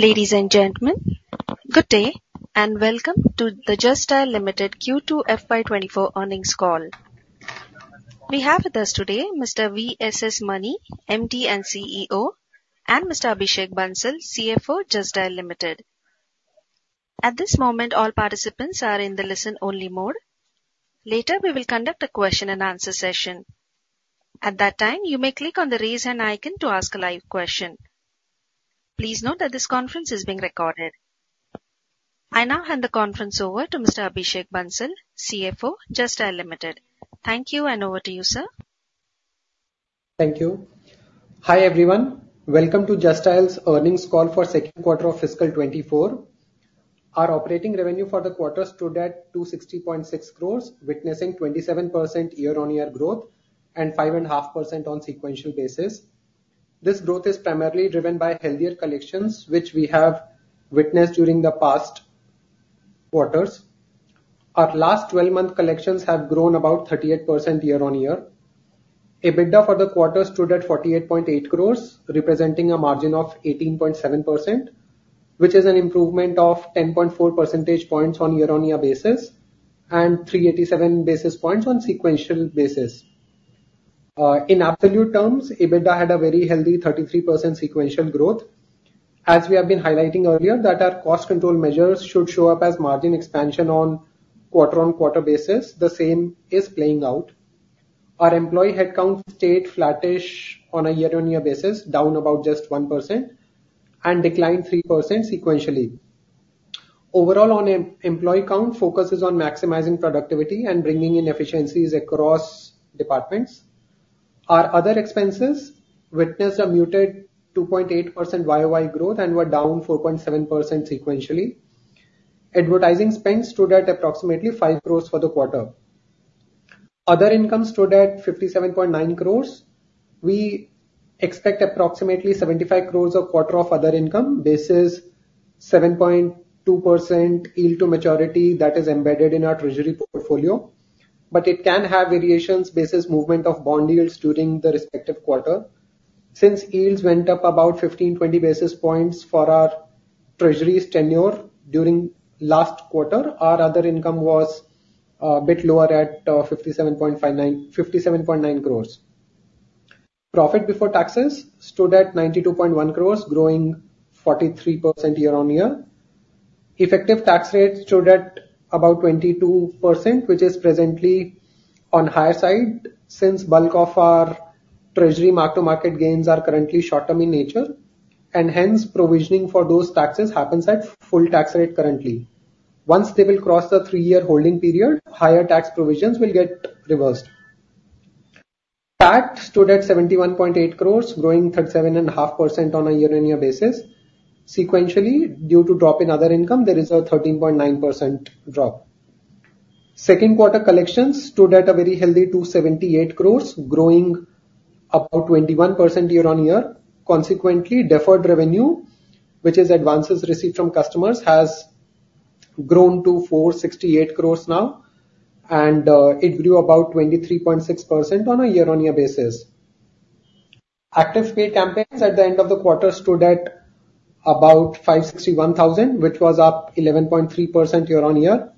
Ladies and gentlemen, good day, and welcome to the Just Dial Limited Q2 FY'24 earnings call. We have with us today Mr. V.S.S. Mani, Managing Director and CEO, and Mr. Abhishek Bansal, CFO, Just Dial Limited. At this moment, all participants are in the listen-only mode. Later, we will conduct a question-and-answer session. At that time, you may click on the Raise Hand icon to ask a live question. Please note that this conference is being recorded. I now hand the conference over to Mr. Abhishek Bansal, CFO, Just Dial Limited. Thank you, and over to you, sir. Thank you. Hi, everyone. Welcome to Just Dial's earnings call for second quarter of fiscal 2024. Our operating revenue for the quarter stood at 260.6 crore, witnessing 27% year-on-year growth and 5.5% on sequential basis. This growth is primarily driven by healthier collections, which we have witnessed during the past quarters. Our last 12-month collections have grown about 38% year-on-year. EBITDA for the quarter stood at 48.8 crore, representing a margin of 18.7%, which is an improvement of 10.4 percentage points on year-on-year basis and 387 basis points on sequential basis. In absolute terms, EBITDA had a very healthy 33% sequential growth. As we have been highlighting earlier, that our cost control measures should show up as margin expansion on quarter-on-quarter basis. The same is playing out. Our employee headcount stayed flattish on a year-on-year basis, down about just 1% and declined 3% sequentially. Overall, on employee count, focus is on maximizing productivity and bringing in efficiencies across departments. Our other expenses witnessed a muted 2.8% YOY growth and were down 4.7% sequentially. Advertising spend stood at approximately 5 crore for the quarter. Other income stood at 57.9 crore. We expect approximately 75 crore of quarter of other income, this is 7.2% yield to maturity that is embedded in our treasury portfolio, but it can have variations based on movement of bond yields during the respective quarter. Since yields went up about 15-20 basis points for our treasury's tenure during last quarter, our other income was a bit lower at 57.9 crore. Profit before taxes stood at 92.1 crore, growing 43% year-on-year. Effective tax rate stood at about 22%, which is presently on higher side, since bulk of our treasury mark-to-market gains are currently short-term in nature, and hence provisioning for those taxes happens at full tax rate currently. Once they will cross the three-year holding period, higher tax provisions will get reversed. Tax stood at 71.8 crore, growing 37.5% on a year-on-year basis. Sequentially, due to drop in other income, there is a 13.9% drop. Second quarter collections stood at a very healthy 278 crore, growing about 21% year-on-year. Consequently, deferred revenue, which is advances received from customers, has grown to 468 crore now, and it grew about 23.6% on a year-on-year basis. Active paid campaigns at the end of the quarter stood at about 561,000, which was up 11.3% year-on-year.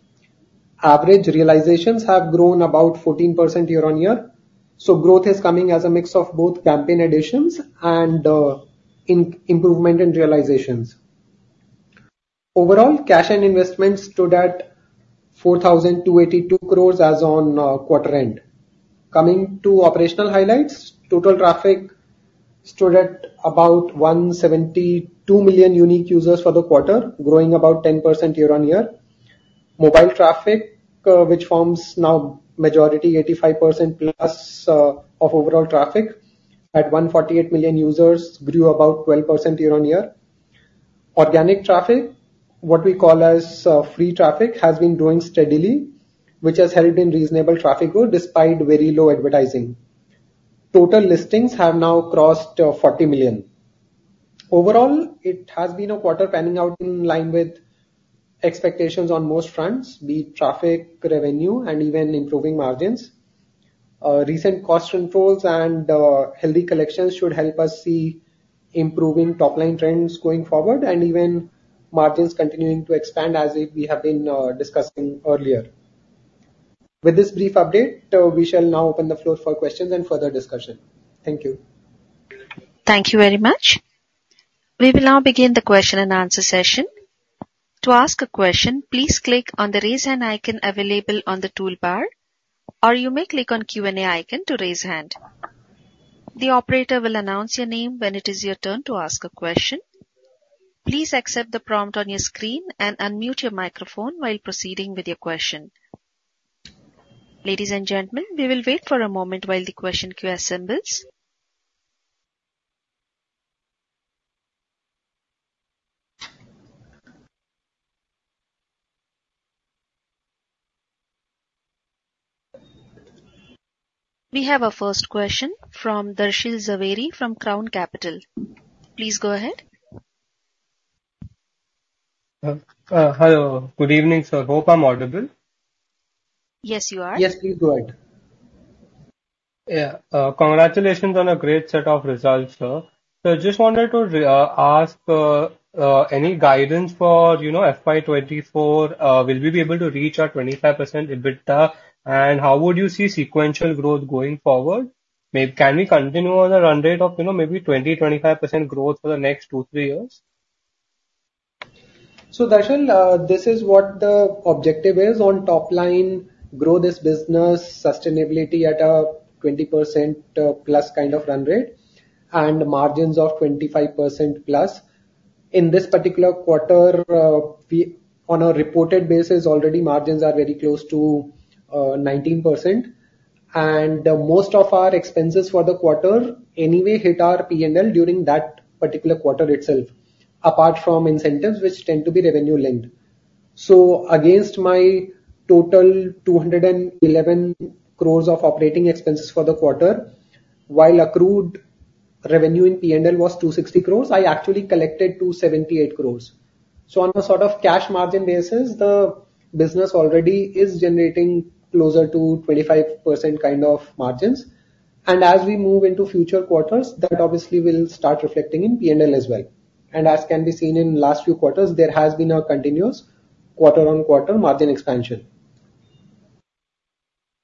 Average realizations have grown about 14% year-on-year, so growth is coming as a mix of both campaign additions and improvement in realizations. Overall, cash and investments stood at 4,282 crores as on quarter end. Coming to operational highlights, total traffic stood at about 172 million unique users for the quarter, growing about 10% year-on-year. Mobile traffic, which forms now majority, 85%+, of overall traffic, at 148 million users, grew about 12% year-on-year. Organic traffic, what we call as free traffic, has been growing steadily, which has helped in reasonable traffic growth despite very low advertising. Total listings have now crossed 40 million. Overall, it has been a quarter panning out in line with expectations on most fronts, be it traffic, revenue and even improving margins. Recent cost controls and, healthy collections should help us see improving top-line trends going forward and even margins continuing to expand as we, we have been, discussing earlier. With this brief update, we shall now open the floor for questions and further discussion. Thank you. Thank you very much. We will now begin the question-and-answer session. To ask a question, please click on the Raise Hand icon available on the toolbar, or you may click on Q&A icon to raise hand. The operator will announce your name when it is your turn to ask a question. Please accept the prompt on your screen and unmute your microphone while proceeding with your question. Ladies and gentlemen, we will wait for a moment while the question queue assembles. We have our first question from Darshil Zaveri, from Crown Capital. Please go ahead. Hello. Good evening, sir. Hope I'm audible? Yes, you are. Yes, please go ahead.... Yeah, congratulations on a great set of results, sir. So I just wanted to ask any guidance for, you know, FY24, will we be able to reach our 25% EBITDA? And how would you see sequential growth going forward? Can we continue on a run rate of, you know, maybe 20-25% growth for the next two, three years? So Darshan, this is what the objective is. On top line, grow this business sustainability at a 20%+ kind of run rate, and margins of 25%+. In this particular quarter, we, on a reported basis, already margins are very close to 19%. And most of our expenses for the quarter anyway hit our P&L during that particular quarter itself, apart from incentives, which tend to be revenue linked. So against my total 211 crore of operating expenses for the quarter, while accrued revenue in P&L was 260 crore, I actually collected 278 crore. So on a sort of cash margin basis, the business already is generating closer to 25% kind of margins. And as we move into future quarters, that obviously will start reflecting in P&L as well. As can be seen in last few quarters, there has been a continuous quarter-on-quarter margin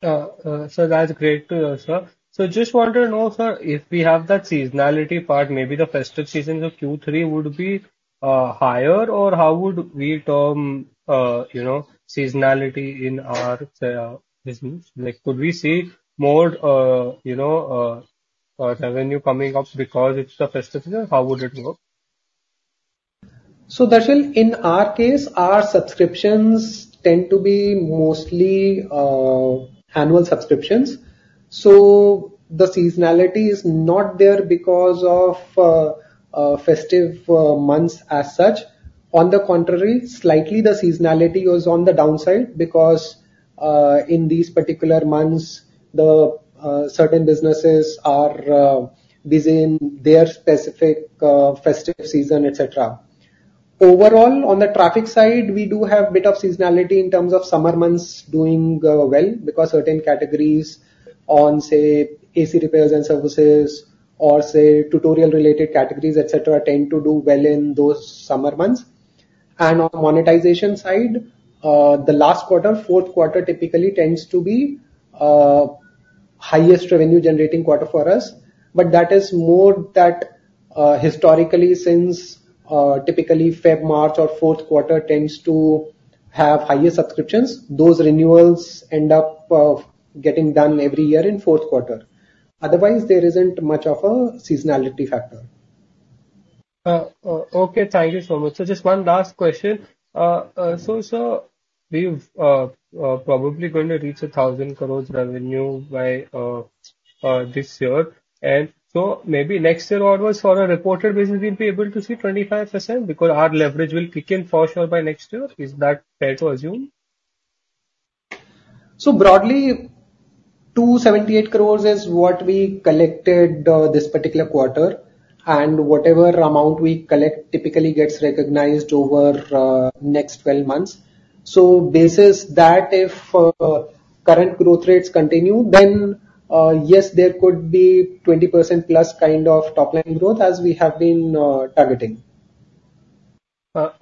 expansion. So that's great to hear, sir. So just want to know, sir, if we have that seasonality part, maybe the festive seasons of Q3 would be higher, or how would we term, you know, seasonality in our business? Like, could we see more, you know, revenue coming up because it's a festive season? How would it work? So Darshil, in our case, our subscriptions tend to be mostly annual subscriptions. So the seasonality is not there because of festive months as such. On the contrary, slightly, the seasonality goes on the downside because in these particular months, the certain businesses are busy in their specific festive season, et cetera. Overall, on the traffic side, we do have a bit of seasonality in terms of summer months doing well because certain categories on, say, AC repairs and services or say, tutorial related categories, et cetera, tend to do well in those summer months. And on the monetization side, the last quarter, fourth quarter, typically tends to be highest revenue generating quarter for us, but that is more that historically since typically February, March or fourth quarter tends to have higher subscriptions. Those renewals end up getting done every year in fourth quarter. Otherwise, there isn't much of a seasonality factor. Okay, thank you so much. So just one last question. So, sir, we've probably going to reach 1,000 crore revenue by this year, and so maybe next year onwards for a reported business, we'll be able to see 25% because our leverage will kick in for sure by next year. Is that fair to assume? So broadly, 278 crore is what we collected, this particular quarter, and whatever amount we collect typically gets recognized over, next 12 months. So basis that if, current growth rates continue, then, yes, there could be 20% plus kind of top line growth as we have been, targeting.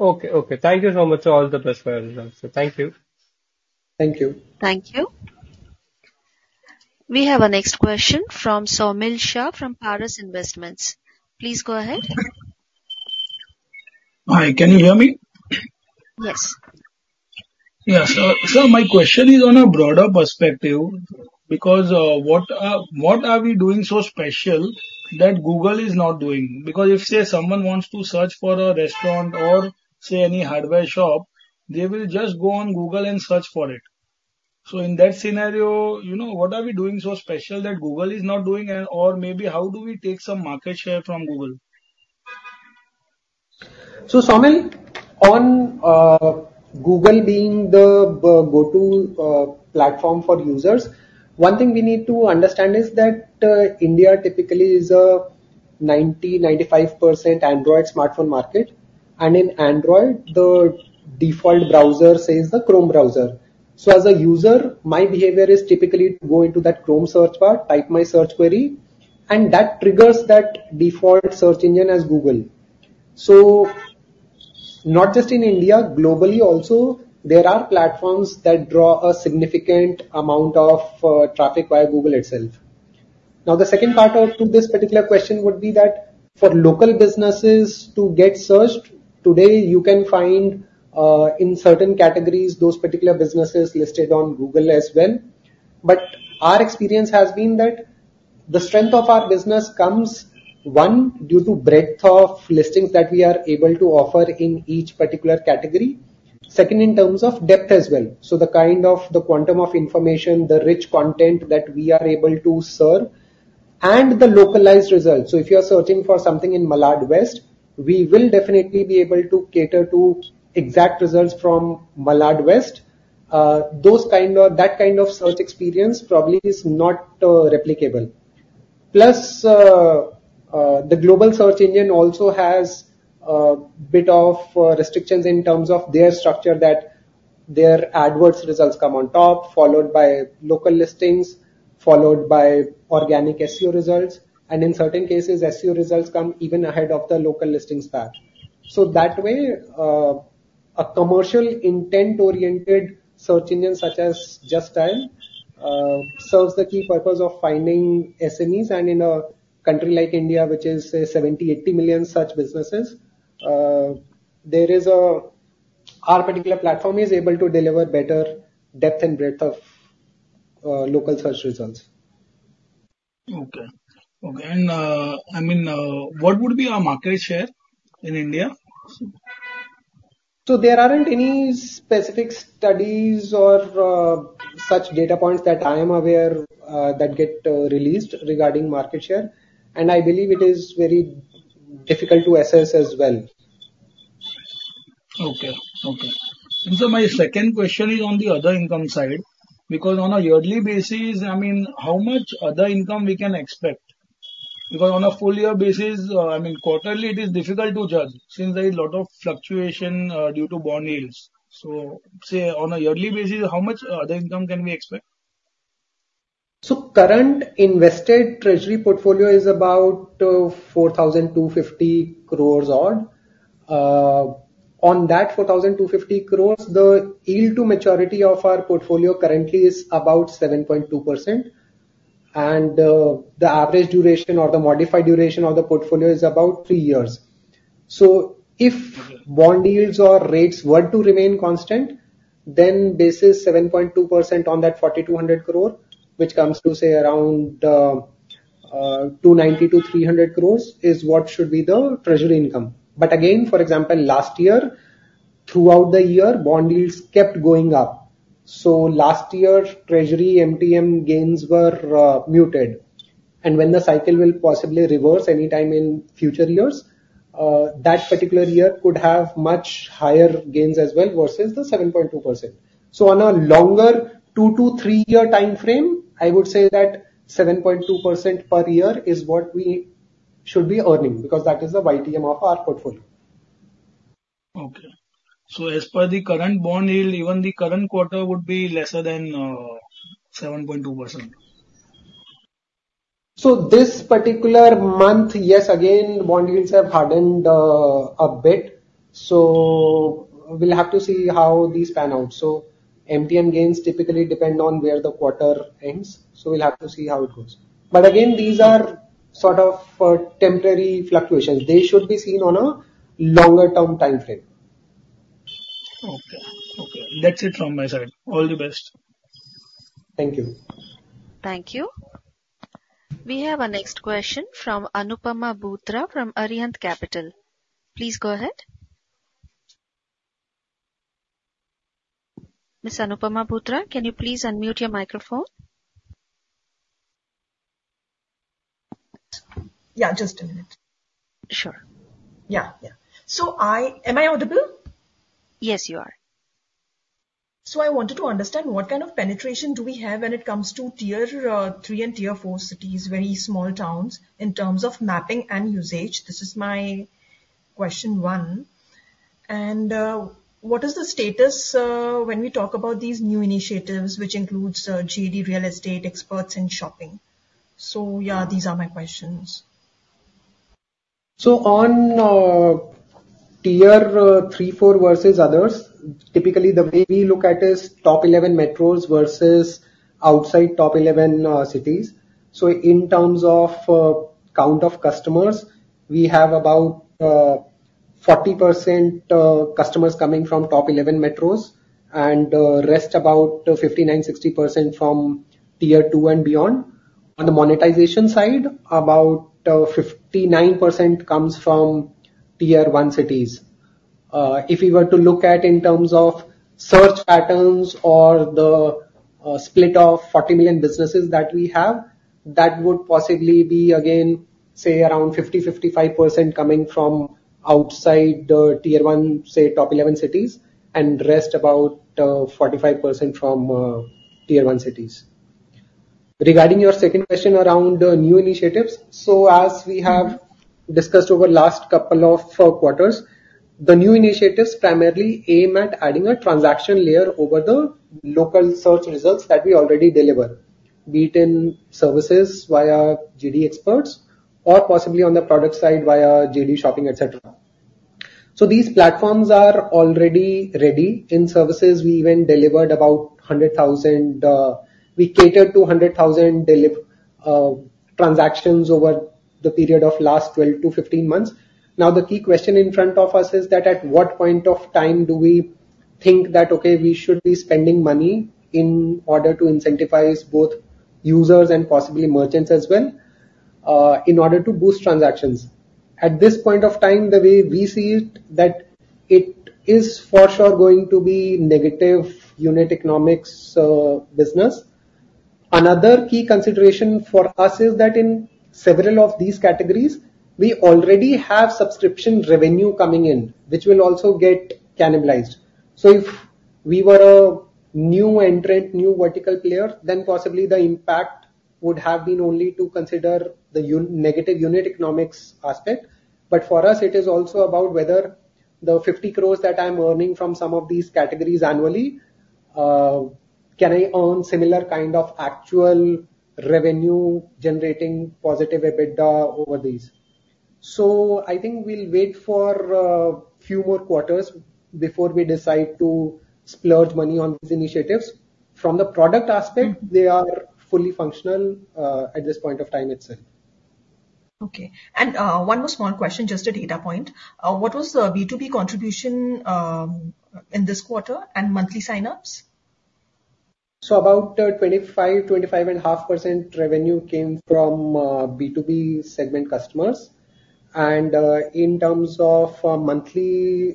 Okay. Okay. Thank you so much, sir. All the best for you. So thank you. Thank you. Thank you. We have our next question from Saumil Shah, from Paras Investments. Please go ahead. Hi, can you hear me? Yes. Yeah. So, sir, my question is on a broader perspective, because what are, what are we doing so special that Google is not doing? Because if, say, someone wants to search for a restaurant or, say, any hardware shop, they will just go on Google and search for it. So in that scenario, you know, what are we doing so special that Google is not doing? And or maybe how do we take some market share from Google? Saumil, on Google being the go-to platform for users, one thing we need to understand is that India typically is a 90%-95% Android smartphone market, and in Android, the default browser, say, is the Chrome browser. So as a user, my behavior is typically to go into that Chrome search bar, type my search query, and that triggers that default search engine as Google. So not just in India, globally, also, there are platforms that draw a significant amount of traffic via Google itself. Now, the second part to this particular question would be that for local businesses to get searched, today, you can find in certain categories, those particular businesses listed on Google as well. But our experience has been that the strength of our business comes, one, due to breadth of listings that we are able to offer in each particular category. Second, in terms of depth as well, so the kind of the quantum of information, the rich content that we are able to serve and the localized results. So if you are searching for something in Malad West, we will definitely be able to cater to exact results from Malad West. That kind of search experience probably is not replicable, plus the global search engine also has a bit of restrictions in terms of their structure, that their adverts results come on top, followed by local listings, followed by organic SEO results, and in certain cases, SEO results come even ahead of the local listings pack. So that way, a commercial intent-oriented search engine, such as Just Dial, serves the key purpose of finding SMEs. And in a country like India, which is 70-80 million such businesses, our particular platform is able to deliver better depth and breadth of local search results. Okay. Okay, and, I mean, what would be our market share in India? So there aren't any specific studies or such data points that I am aware that get released regarding market share, and I believe it is very difficult to assess as well. Okay. Okay. So my second question is on the other income side, because on a yearly basis, I mean, how much other income we can expect? Because on a full year basis, I mean, quarterly, it is difficult to judge, since there is a lot of fluctuation, due to bond yields. So say, on a yearly basis, how much other income can we expect? So current invested treasury portfolio is about 4,250 crore odd. On that 4,250 crore, the yield to maturity of our portfolio currently is about 7.2%, and the average duration or the modified duration of the portfolio is about three years. So if bond yields or rates were to remain constant, then this is 7.2% on that 4,200 crore, which comes to, say, around 290 crore-300 crore, is what should be the treasury income. But again, for example, last year, throughout the year, bond yields kept going up. So last year, treasury MTM gains were muted. And when the cycle will possibly reverse any time in future years, that particular year could have much higher gains as well, versus the 7.2%. So on a longer two to three-year time frame, I would say that 7.2% per year is what we should be earning, because that is the YTM of our portfolio. Okay. So as per the current bond yield, even the current quarter would be lesser than 7.2%? This particular month, yes, again, bond yields have hardened, a bit. We'll have to see how these pan out. MTM gains typically depend on where the quarter ends, so we'll have to see how it goes. But again, these are sort of, temporary fluctuations. They should be seen on a longer-term time frame. Okay. Okay, that's it from my side. All the best. Thank you. Thank you. We have our next question from Anupama Bhootra from Arihant Capital. Please go ahead. Ms. Anupama Bhootra, can you please unmute your microphone? Yeah, just a minute. Sure. Yeah, yeah. So, am I audible? Yes, you are. So I wanted to understand what kind of penetration do we have when it comes to Tier-3 and Tier-4 cities, very small towns, in terms of mapping and usage? This is my question one. And what is the status when we talk about these new initiatives, which includes JD Real Estate, Experts, and Shopping? So, yeah, these are my questions. So on Tier-3, Tier-4 versus others, typically, the way we look at is top eleven metros versus outside top eleven cities. So in terms of count of customers, we have about 40% customers coming from top 11 metros, and rest about 59%-60% from Tier-2 and beyond. On the monetization side, about 59% comes from Tier-1 cities. If we were to look at in terms of search patterns or the split of 40 million businesses that we have, that would possibly be again, say, around 50%-55% coming from outside the Tier-1, say, top 11 cities, and rest about 45% from Tier-1 cities. Regarding your second question around the new initiatives, so as we have discussed over last couple of quarters, the new initiatives primarily aim at adding a transaction layer over the local search results that we already deliver, be it in services via JD Experts or possibly on the product side via JD Shopping, et cetera. So these platforms are already ready. In services, we even delivered about 100,000, we catered to 100,000 transactions over the period of last 12-15 months. Now, the key question in front of us is that, at what point of time do we think that, okay, we should be spending money in order to incentivize both users and possibly merchants as well, in order to boost transactions? At this point of time, the way we see it, that it is for sure going to be negative unit economics, business. Another key consideration for us is that in several of these categories, we already have subscription revenue coming in, which will also get cannibalized. So if we were a new entrant, new vertical player, then possibly the impact would have been only to consider the negative unit economics aspect. But for us, it is also about whether the 50 crore that I'm earning from some of these categories annually can I own similar kind of actual revenue generating positive EBITDA over these? So I think we'll wait for few more quarters before we decide to splurge money on these initiatives. From the product aspect, they are fully functional at this point of time itself. Okay. And, one more small question, just a data point. What was the B2B contribution, in this quarter, and monthly sign-ups? So about 25%-25.5% revenue came from B2B segment customers. And in terms of monthly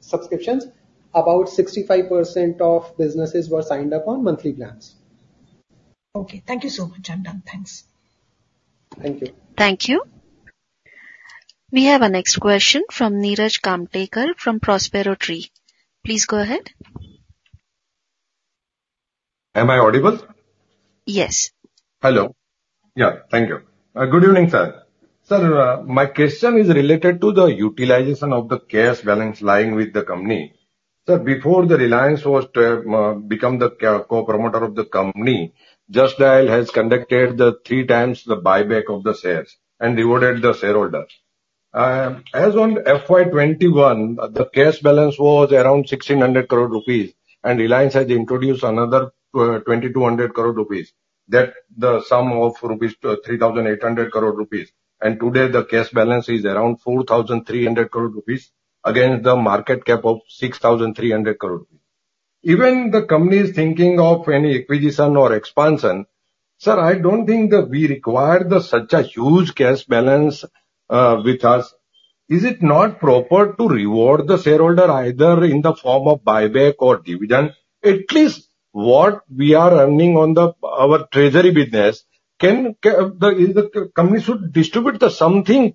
subscriptions, about 65% of businesses were signed up on monthly plans. Okay. Thank you so much. I'm done. Thanks. Thank you. Thank you. We have our next question from Niraj Kamtekar from Prospero Tree. Please go ahead. Am I audible? Yes. Hello. Yeah, thank you. Good evening, sir. Sir, my question is related to the utilization of the cash balance lying with the company. Sir, before Reliance was to become the co-promoter of the company, Just Dial has conducted 3x the buyback of the shares and rewarded the shareholder. As on FY 2021, the cash balance was around 1,600 crore rupees, and Reliance has introduced another 2,200 crore rupees, that the sum of 3,800 crore rupees, and today the cash balance is around 4,300 crore rupees, against the market cap of 6,300 crore. Even the company is thinking of any acquisition or expansion, sir, I don't think that we require such a huge cash balance with us. Is it not proper to reward the shareholder either in the form of buyback or dividend? At least what we are earning on our treasury business, can the company should distribute the something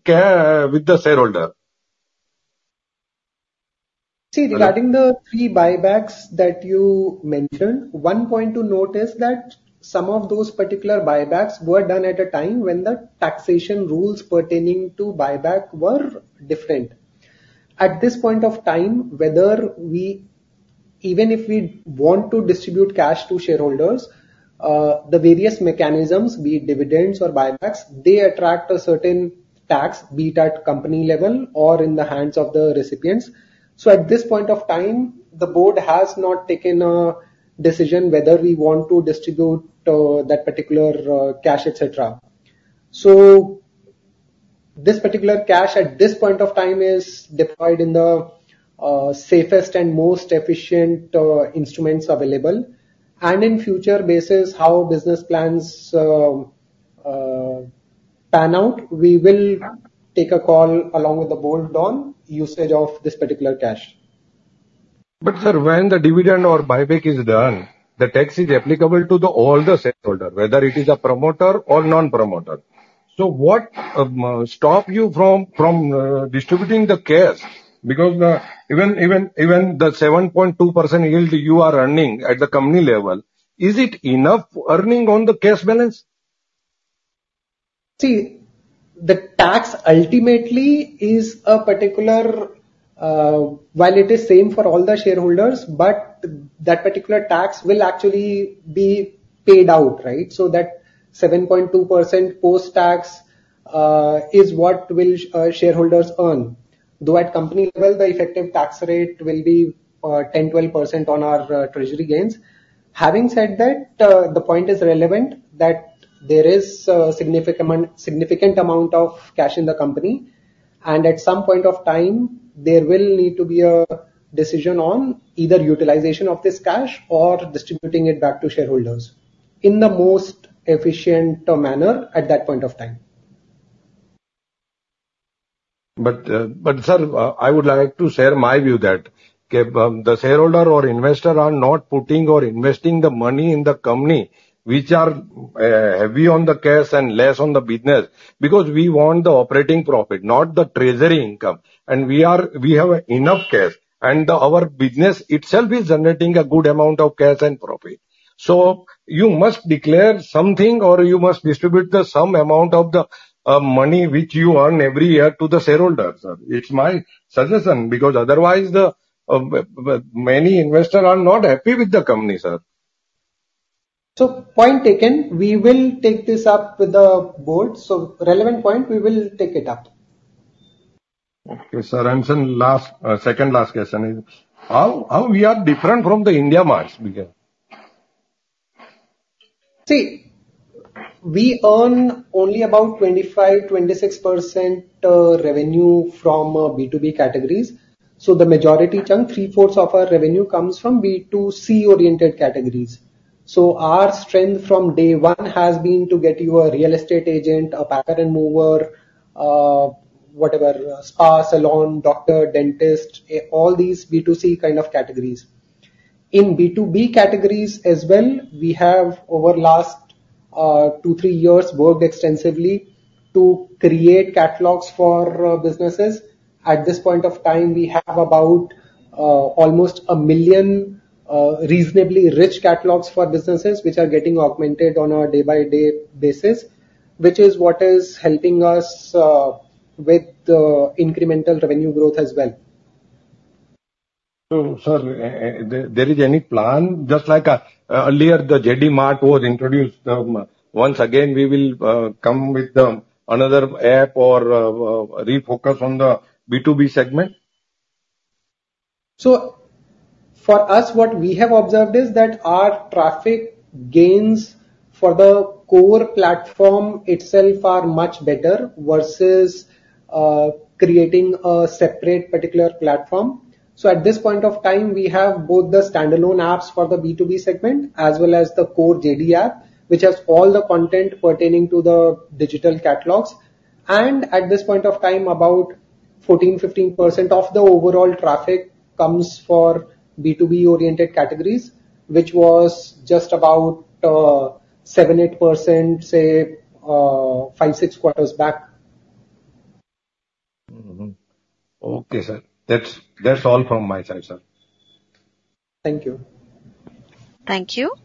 with the shareholder. See, regarding the three buybacks that you mentioned, one point to note is that some of those particular buybacks were done at a time when the taxation rules pertaining to buyback were different. At this point of time, even if we want to distribute cash to shareholders, the various mechanisms, be it dividends or buybacks, they attract a certain tax, be it at company level or in the hands of the recipients. So at this point of time, the board has not taken a decision whether we want to distribute, that particular, cash, et cetera. So this particular cash, at this point of time, is deployed in the safest and most efficient instruments available, and in future basis, how business plans pan out, we will take a call along with the board on usage of this particular cash. But, sir, when the dividend or buyback is done, the tax is applicable to all the shareholder, whether it is a promoter or non-promoter. So what stop you from distributing the cash? Because even the 7.2% yield you are earning at the company level, is it enough earning on the cash balance? See, the tax ultimately is a particular, while it is same for all the shareholders, but that particular tax will actually be paid out, right? So that 7.2% post-tax is what will shareholders earn, though at company level, the effective tax rate will be 10%-12% on our treasury gains. Having said that, the point is relevant, that there is a significant, significant amount of cash in the company, and at some point of time, there will need to be a decision on either utilization of this cash or distributing it back to shareholders, in the most efficient manner at that point of time. But, sir, I would like to share my view that, the shareholder or investor are not putting or investing the money in the company, which are, heavy on the cash and less on the business, because we want the operating profit, not the treasury income. And we have enough cash, and our business itself is generating a good amount of cash and profit. So you must declare something, or you must distribute the some amount of the money which you earn every year to the shareholders, sir. It's my suggestion, because otherwise, the many investors are not happy with the company, sir. Point taken. We will take this up with the board. Relevant point, we will take it up. Okay, sir, and then last, second last question is: how we are different from IndiaMART? See, we earn only about 25%-26% revenue from B2B categories, so the majority chunk, 3/4 of our revenue comes from B2C-oriented categories. So our strength from day one has been to get you a real estate agent, a packer and mover, whatever, spa, salon, doctor, dentist, all these B2C kind of categories. In B2B categories as well, we have over two, three years worked extensively to create catalogs for businesses. At this point of time, we have about almost a million reasonably rich catalogs for businesses, which are getting augmented on a day-by-day basis, which is what is helping us with incremental revenue growth as well. So, sir, is there any plan, just like earlier, the JD Mart was introduced, once again, we will come with the another app or refocus on the B2B segment? So for us, what we have observed is that our traffic gains for the core platform itself are much better versus creating a separate particular platform. So at this point of time, we have both the standalone apps for the B2B segment, as well as the core JD app, which has all the content pertaining to the digital catalogs. And at this point of time, about 14%-15% of the overall traffic comes for B2B-oriented categories, which was just about 7%-8%, say, five, six quarters back. Mm-hmm. Okay, sir. That's, that's all from my side, sir. Thank you. Thank you.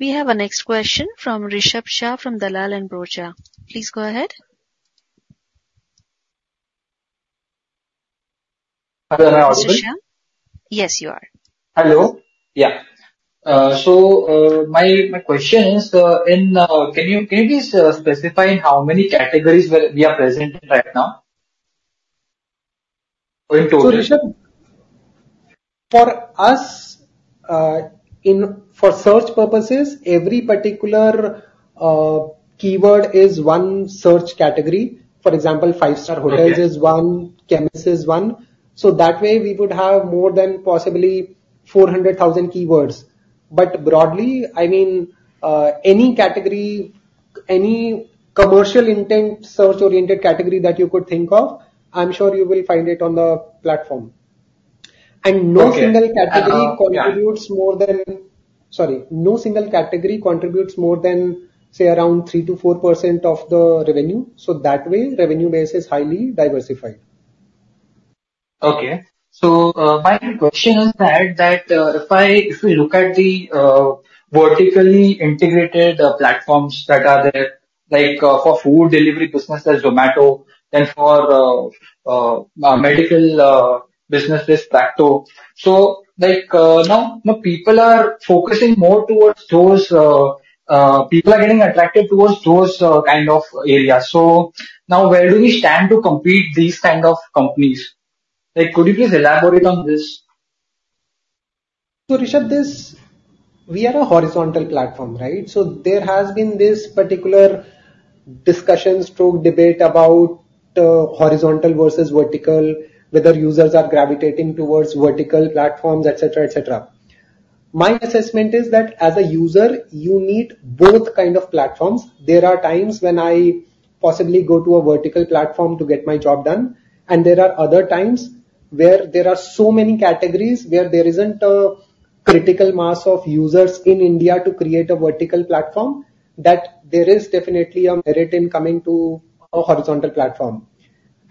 We have our next question from Rishabh Shah, from Dalal & Broacha. Please go ahead. Hello, am I audible? Rishabh? Yes, you are. Hello. Yeah. So, my question is, can you please specify how many categories we are present in right now? In total. So, Rishabh, for us, for search purposes, every particular keyword is one search category. For example, five-star hotel- Okay. - is one, chemist is one. So that way, we would have more than possibly 400,000 keywords. But broadly, I mean, any category, any commercial intent, search-oriented category that you could think of, I'm sure you will find it on the platform. Okay. No single category- Uh, yeah. Sorry, no single category contributes more than, say, around 3%-4% of the revenue, so that way, revenue base is highly diversified. Okay. So, my question is that, that, if I, if we look at the, vertically integrated, platforms that are there, like, for food delivery business there's Zomato, then for, medical, businesses, Practo. So, like, now, now people are focusing more towards those, people are getting attracted towards those, kind of areas. So now, where do we stand to compete these kind of companies? Like, could you please elaborate on this? So, Rishabh, this, we are a horizontal platform, right? So there has been this particular discussions to debate about, horizontal versus vertical, whether users are gravitating towards vertical platforms, et cetera, et cetera. My assessment is that as a user, you need both kind of platforms. There are times when I possibly go to a vertical platform to get my job done, and there are other times where there are so many categories where there isn't a critical mass of users in India to create a vertical platform, that there is definitely a merit in coming to a horizontal platform.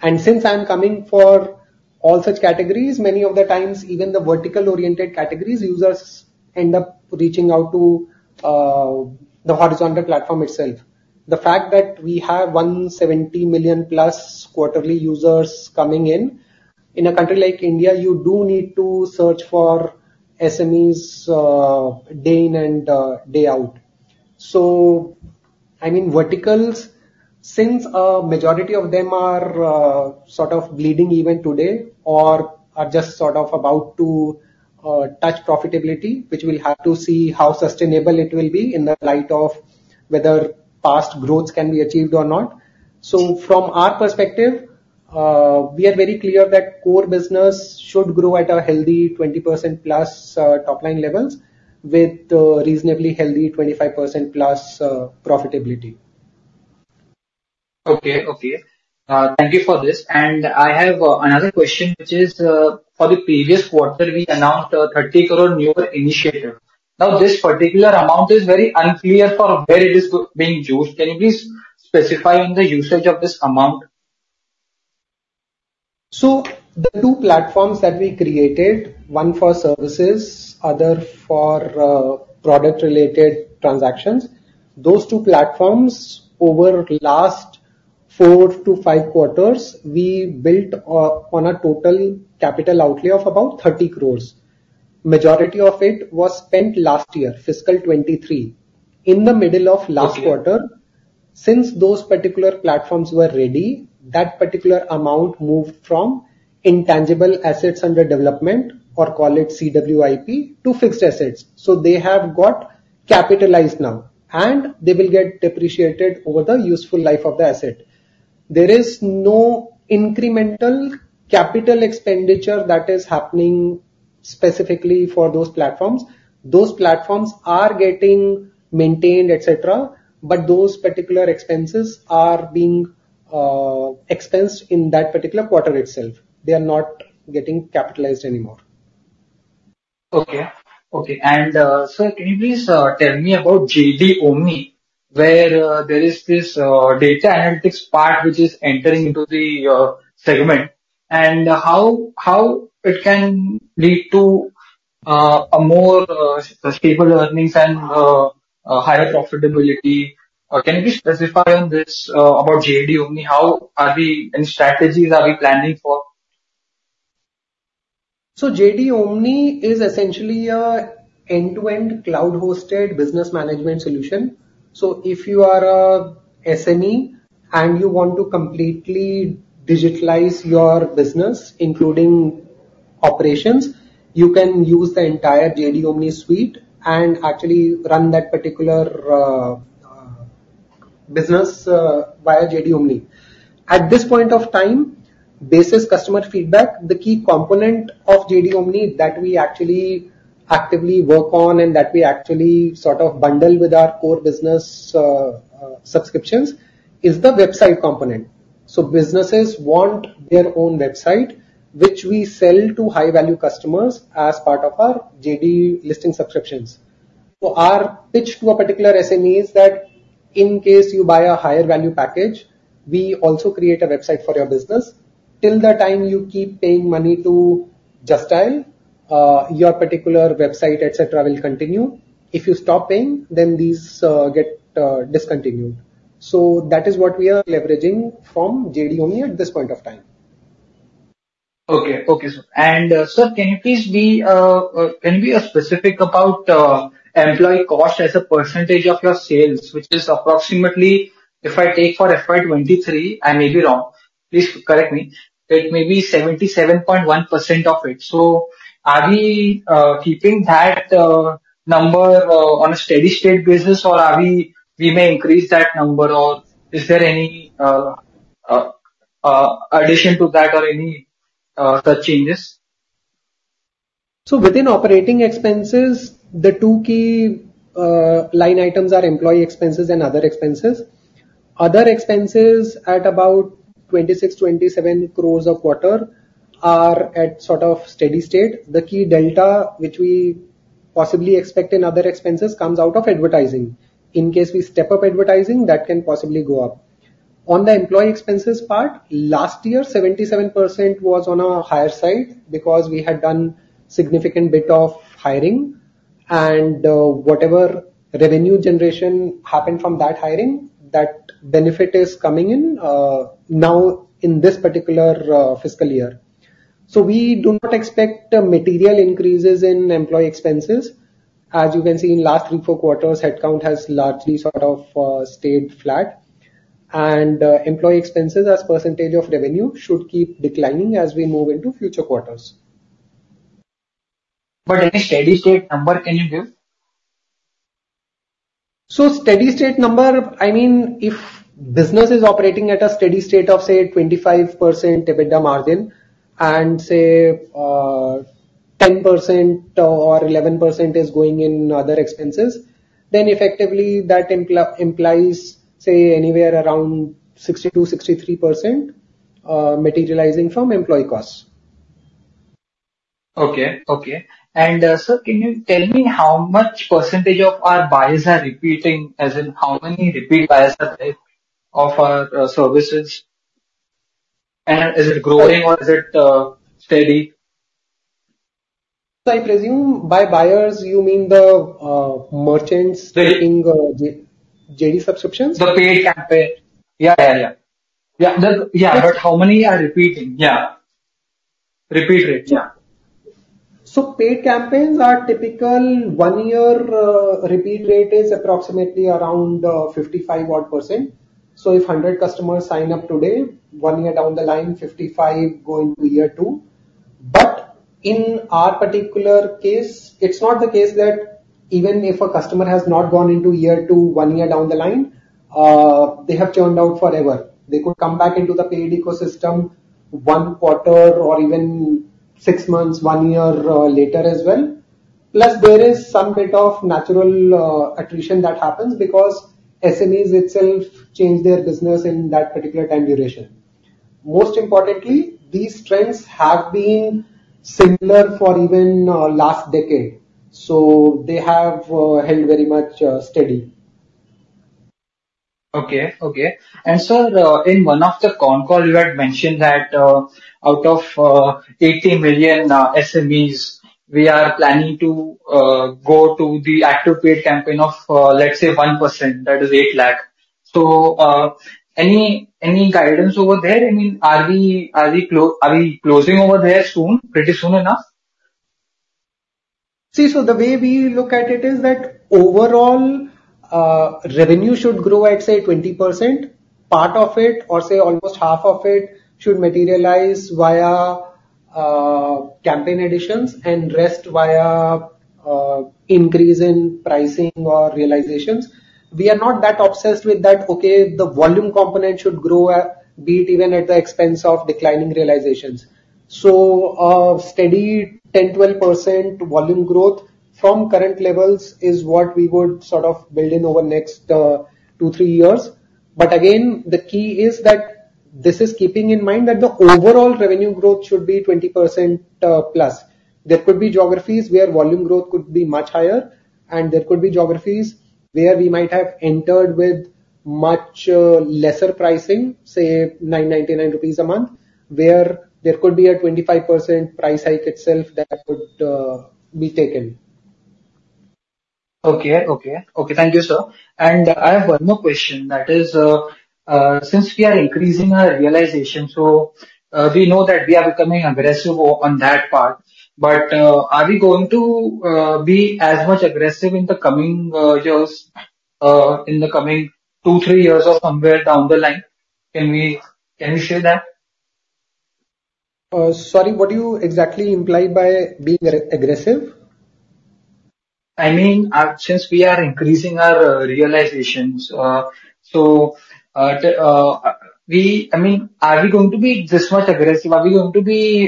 And since I'm coming for all such categories, many of the times, even the vertical-oriented categories, users end up reaching out to, the horizontal platform itself. The fact that we have 170 million-plus quarterly users coming in, in a country like India, you do need to search for SMEs, day in and, day out. So, I mean, verticals, since a majority of them are, sort of bleeding even today, or are just sort of about to, touch profitability, which we'll have to see how sustainable it will be in the light of whether past growth can be achieved or not. So from our perspective, we are very clear that core business should grow at a healthy 20%+ top line levels, with a reasonably healthy 25%+ profitability. Okay. Okay. Thank you for this. And I have another question, which is, for the previous quarter, we announced a 30 crore new initiative. Now, this particular amount is very unclear for where it is being used. Can you please specify on the usage of this amount? So the two platforms that we created, one for services, other for product-related transactions. Those two platforms, over last four to five quarters, we built on a total capital outlay of about 30 crore. Majority of it was spent last year, fiscal 2023. In the middle of last quarter- Okay. Since those particular platforms were ready, that particular amount moved from intangible assets under development, or call it CWIP, to fixed assets. So they have got capitalized now, and they will get depreciated over the useful life of the asset. There is no incremental capital expenditure that is happening specifically for those platforms. Those platforms are getting maintained, et cetera, but those particular expenses are being expensed in that particular quarter itself. They are not getting capitalized anymore. Okay. Okay, and, sir, can you please tell me about JD Omni, where there is this data analytics part which is entering into the segment, and how it can lead to a more stable earnings and a higher profitability? Can you please specify on this about JD Omni, how are we and strategies are we planning for? JD Omni is essentially an end-to-end cloud-hosted business management solution. If you are an SME, and you want to completely digitalize your business, including operations, you can use the entire JD Omni suite and actually run that particular business via JD Omni. At this point of time, basis customer feedback, the key component of JD Omni that we actually actively work on and that we actually sort of bundle with our core business subscriptions, is the website component. Businesses want their own website, which we sell to high-value customers as part of our JD listing subscriptions. Our pitch to a particular SME is that in case you buy a higher value package, we also create a website for your business. Till the time you keep paying money to Just Dial, your particular website, et cetera, will continue. If you stop paying, then these get discontinued. So that is what we are leveraging from JD Omni at this point of time. Okay. Okay, sir. And, sir, can you be specific about employee cost as a percentage of your sales, which is approximately, if I take for FY 2023, I may be wrong, please correct me, it may be 77.1% of it. So are we keeping that number on a steady-state basis, or are we, we may increase that number, or is there any addition to that or any such changes? Within operating expenses, the two key line items are employee expenses and other expenses. Other expenses, at about 26 crore-27 crore a quarter, are at sort of steady state. The key delta, which we possibly expect in other expenses, comes out of advertising. In case we step up advertising, that can possibly go up. On the employee expenses part, last year, 77% was on a higher side because we had done significant bit of hiring, and whatever revenue generation happened from that hiring, that benefit is coming in now in this particular fiscal year. So we do not expect material increases in employee expenses. As you can see, in last three-four quarters, headcount has largely sort of stayed flat. Employee expenses as percentage of revenue should keep declining as we move into future quarters. But any steady state number can you give? Steady state number, I mean, if business is operating at a steady state of, say, 25% EBITDA margin, and say, 10% or 11% is going in other expenses, then effectively that implies, say, anywhere around 62%-63%, materializing from employee costs. Okay. Okay. And, sir, can you tell me how much percentage of our buyers are repeating, as in how many repeat buyers are there of our services? And is it growing or is it steady? I presume by buyers you mean the merchants- Right. Taking the JD subscriptions? The paid campaign. Yeah, yeah, yeah. Yeah, the- Yes. How many are repeating? Yeah. Repeat rate, yeah. So paid campaigns, our typical one-year repeat rate is approximately around 55% odd. So if 100 customers sign up today, one year down the line, 55 go into year 2. But in our particular case, it's not the case that even if a customer has not gone into year two, one year down the line, they have churned out forever. They could come back into the paid ecosystem one quarter or even six months, 1 year later as well. Plus, there is some bit of natural attrition that happens because SMEs itself change their business in that particular time duration. Most importantly, these trends have been similar for even last decade, so they have held very much steady. Okay, okay. Sir, in one of the con call, you had mentioned that out of 80 million SMEs, we are planning to go to the active paid campaign of, let's say, 1%, that is. So, any guidance over there? I mean, are we closing over there soon? Pretty soon enough? See, so the way we look at it is that overall, revenue should grow at, say, 20%. Part of it, or say almost half of it, should materialize via campaign additions, and rest via increase in pricing or realizations. We are not that obsessed with that, okay, the volume component should grow at, be it even at the expense of declining realizations. So, a steady 10%-12% volume growth from current levels is what we would sort of build in over the next two, three years. But again, the key is that this is keeping in mind that the overall revenue growth should be 20%+. There could be geographies where volume growth could be much higher, and there could be geographies where we might have entered with much lesser pricing, say 999 rupees a month, where there could be a 25% price hike itself that could be taken. Okay, thank you, sir. I have one more question, that is, since we are increasing our realization, so, we know that we are becoming aggressive on that part, but, are we going to be as much aggressive in the coming years, in the coming two, three years or somewhere down the line? Can you share that? Sorry, what do you exactly imply by being aggressive? I mean, since we are increasing our realizations, so, I mean, are we going to be this much aggressive? Are we going to be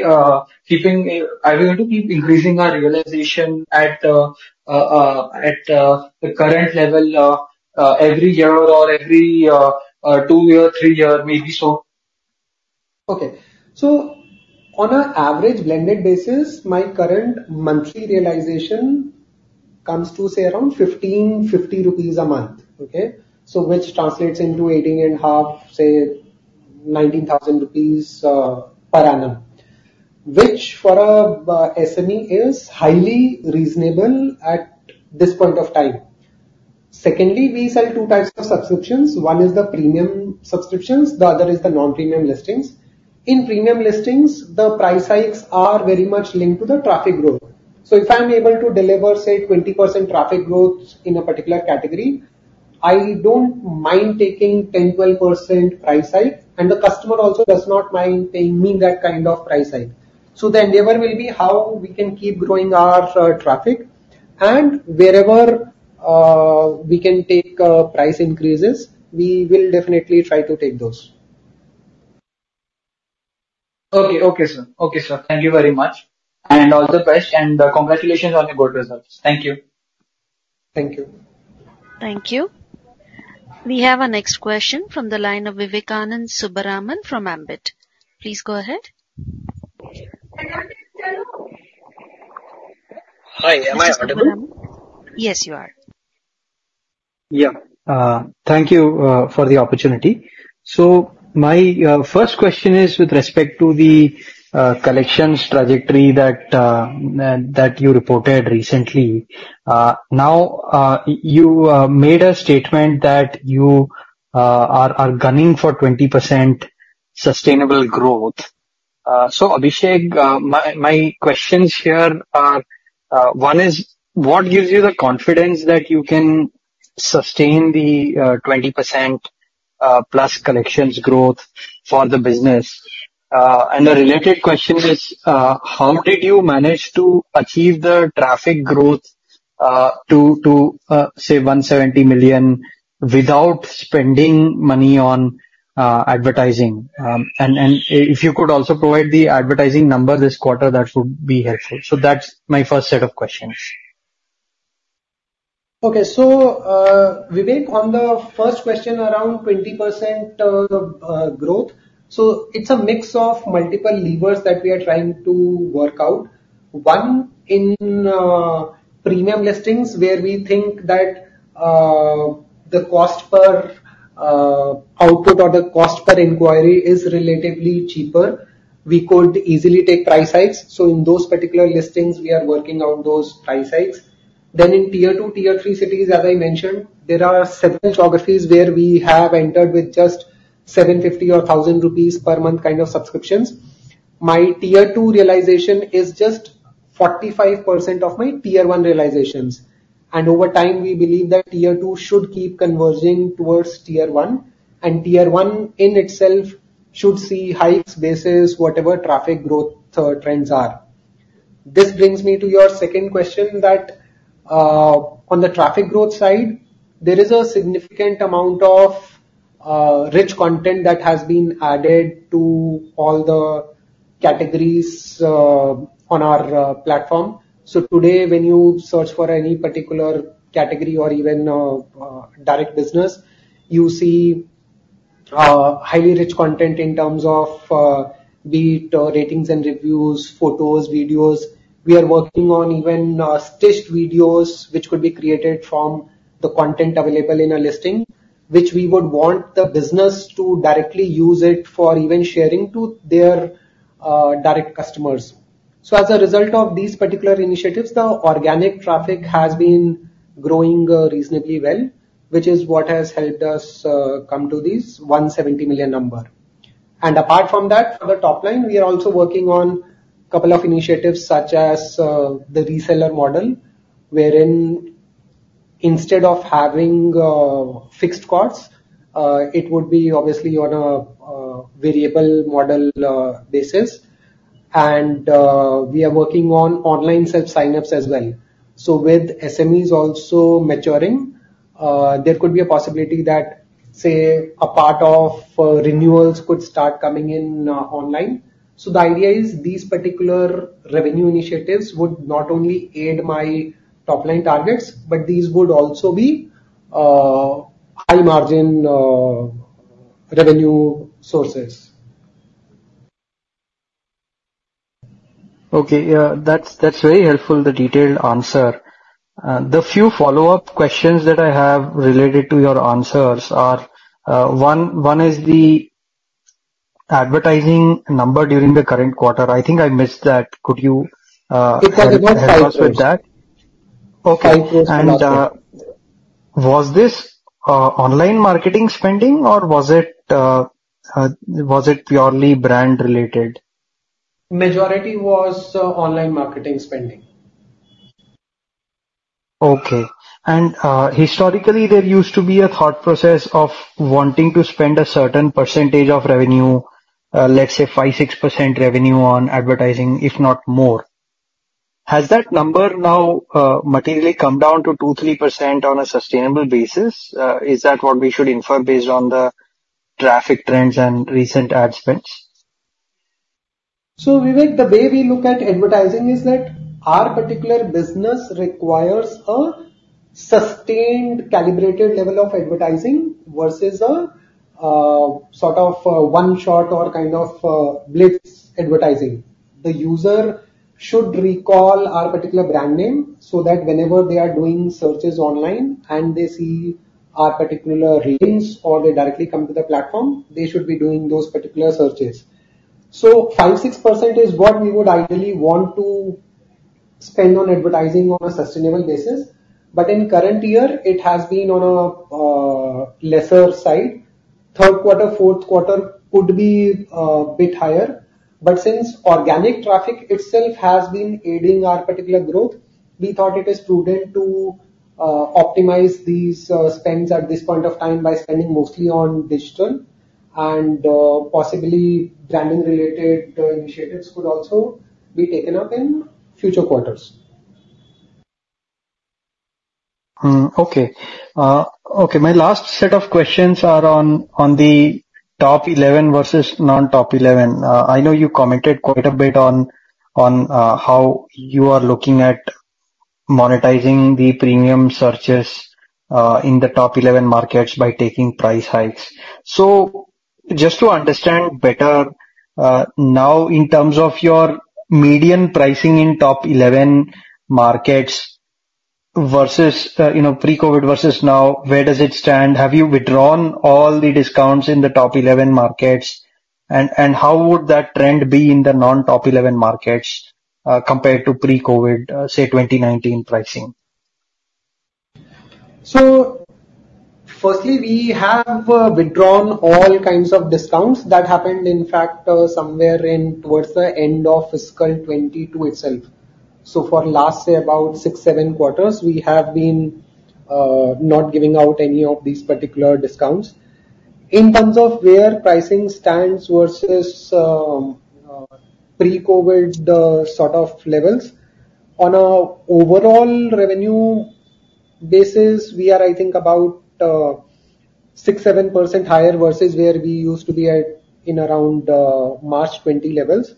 keeping? Are we going to keep increasing our realization at the current level every year or every two year, three year, maybe so? Okay. So on an average blended basis, my current monthly realization comes to, say, around 1,550 rupees a month. Okay? So which translates into 18,500, say 19,000 rupees per annum, which for a SME is highly reasonable at this point of time. Secondly, we sell two types of subscriptions. One is the premium subscriptions, the other is the non-premium listings. In premium listings, the price hikes are very much linked to the traffic growth. So if I'm able to deliver, say, 20% traffic growth in a particular category, I don't mind taking 10%-12% price hike, and the customer also does not mind paying me that kind of price hike. So the endeavor will be how we can keep growing our traffic, and wherever we can take price increases, we will definitely try to take those. Okay. Okay, sir. Okay, sir. Thank you very much, and all the best, and congratulations on your good results. Thank you. Thank you. Thank you. We have our next question from the line of Vivekanand Subbaraman from Ambit. Please go ahead. Hi, am I audible? Yes, you are. Yeah. Thank you for the opportunity. So my first question is with respect to the collections trajectory that you reported recently. You made a statement that you are gunning for 20% sustainable growth. Abhishek, my questions here are, one is: What gives you the confidence that you can sustain the 20%+ collections growth for the business? The related question is: How did you manage to achieve the traffic growth to say 170 million without spending money on advertising? If you could also provide the advertising number this quarter, that would be helpful. That's my first set of questions. Okay. So, Vivek, on the first question, around 20% growth, so it's a mix of multiple levers that we are trying to work out. One, in premium listings, where we think that the cost per output or the cost per inquiry is relatively cheaper, we could easily take price hikes. So in those particular listings, we are working out those price hikes. Then in Tier-2, Tier-3 cities, as I mentioned, there are several geographies where we have entered with just 750 or 1,000 rupees per month kind of subscriptions. My Tier-2 realization is just 45% of my Tier-1 realizations. And over time, we believe that Tier-2 should keep converging towards Tier-1, and Tier-1 in itself should see hikes, bases, whatever traffic growth trends are. This brings me to your second question, that, on the traffic growth side, there is a significant amount of, rich content that has been added to all the categories, on our, platform. So today, when you search for any particular category or even, direct business, you see, highly rich content in terms of, be it ratings and reviews, photos, videos. We are working on even, stitched videos, which could be created from the content available in a listing, which we would want the business to directly use it for even sharing to their, direct customers. So as a result of these particular initiatives, the organic traffic has been growing, reasonably well, which is what has helped us, come to this 170 million number. And apart from that, for the top line, we are also working on a couple of initiatives, such as, the reseller model, wherein instead of having, fixed costs, it would be obviously on a, variable model, basis. And, we are working on online self-signups as well. So with SMEs also maturing, there could be a possibility that, say, a part of, renewals could start coming in, online. So the idea is, these particular revenue initiatives would not only aid my top-line targets, but these would be, high margin, revenue sources. Okay. Yeah, that's, that's very helpful, the detailed answer. The few follow-up questions that I have related to your answers are, one, one is the advertising number during the current quarter. I think I missed that. Could you- It was about 5%. Help us with that? Okay. Was this online marketing spending, or was it purely brand related? Majority was online marketing spending. Okay. Historically, there used to be a thought process of wanting to spend a certain percentage of revenue, let's say 5%-6% revenue on advertising, if not more. Has that number now materially come down to 2%-3% on a sustainable basis? Is that what we should infer based on the traffic trends and recent ad spends? So Vivek, the way we look at advertising is that our particular business requires a sustained, calibrated level of advertising versus a, sort of a one shot or kind of, blitz advertising. The user should recall our particular brand name, so that whenever they are doing searches online and they see our particular listings or they directly come to the platform, they should be doing those particular searches. So 5%-6% is what we would ideally want to spend on advertising on a sustainable basis, but in current year it has been on a, lesser side. Third quarter, fourth quarter could be bit higher, but since organic traffic itself has been aiding our particular growth, we thought it is prudent to optimize these spends at this point of time by spending mostly on digital and possibly branding-related initiatives could also be taken up in future quarters. Hmm. Okay. Okay, my last set of questions are on, on the top 11 versus non-top 11. I know you commented quite a bit on, on, how you are looking at monetizing the premium searches, in the top 11 markets by taking price hikes. So just to understand better, now, in terms of your median pricing in top 11 markets versus, you know, pre-COVID versus now, where does it stand? Have you withdrawn all the discounts in the top 11 markets? And, and how would that trend be in the non-top 11 markets, compared to pre-COVID, say, 2019 pricing? Firstly, we have withdrawn all kinds of discounts. That happened, in fact, somewhere towards the end of fiscal 2022 itself. For the last, say, about six, seven quarters, we have been not giving out any of these particular discounts. In terms of where pricing stands versus pre-COVID sort of levels, on an overall revenue basis, we are, I think, about 6%-7% higher versus where we used to be at in around March 2020 levels.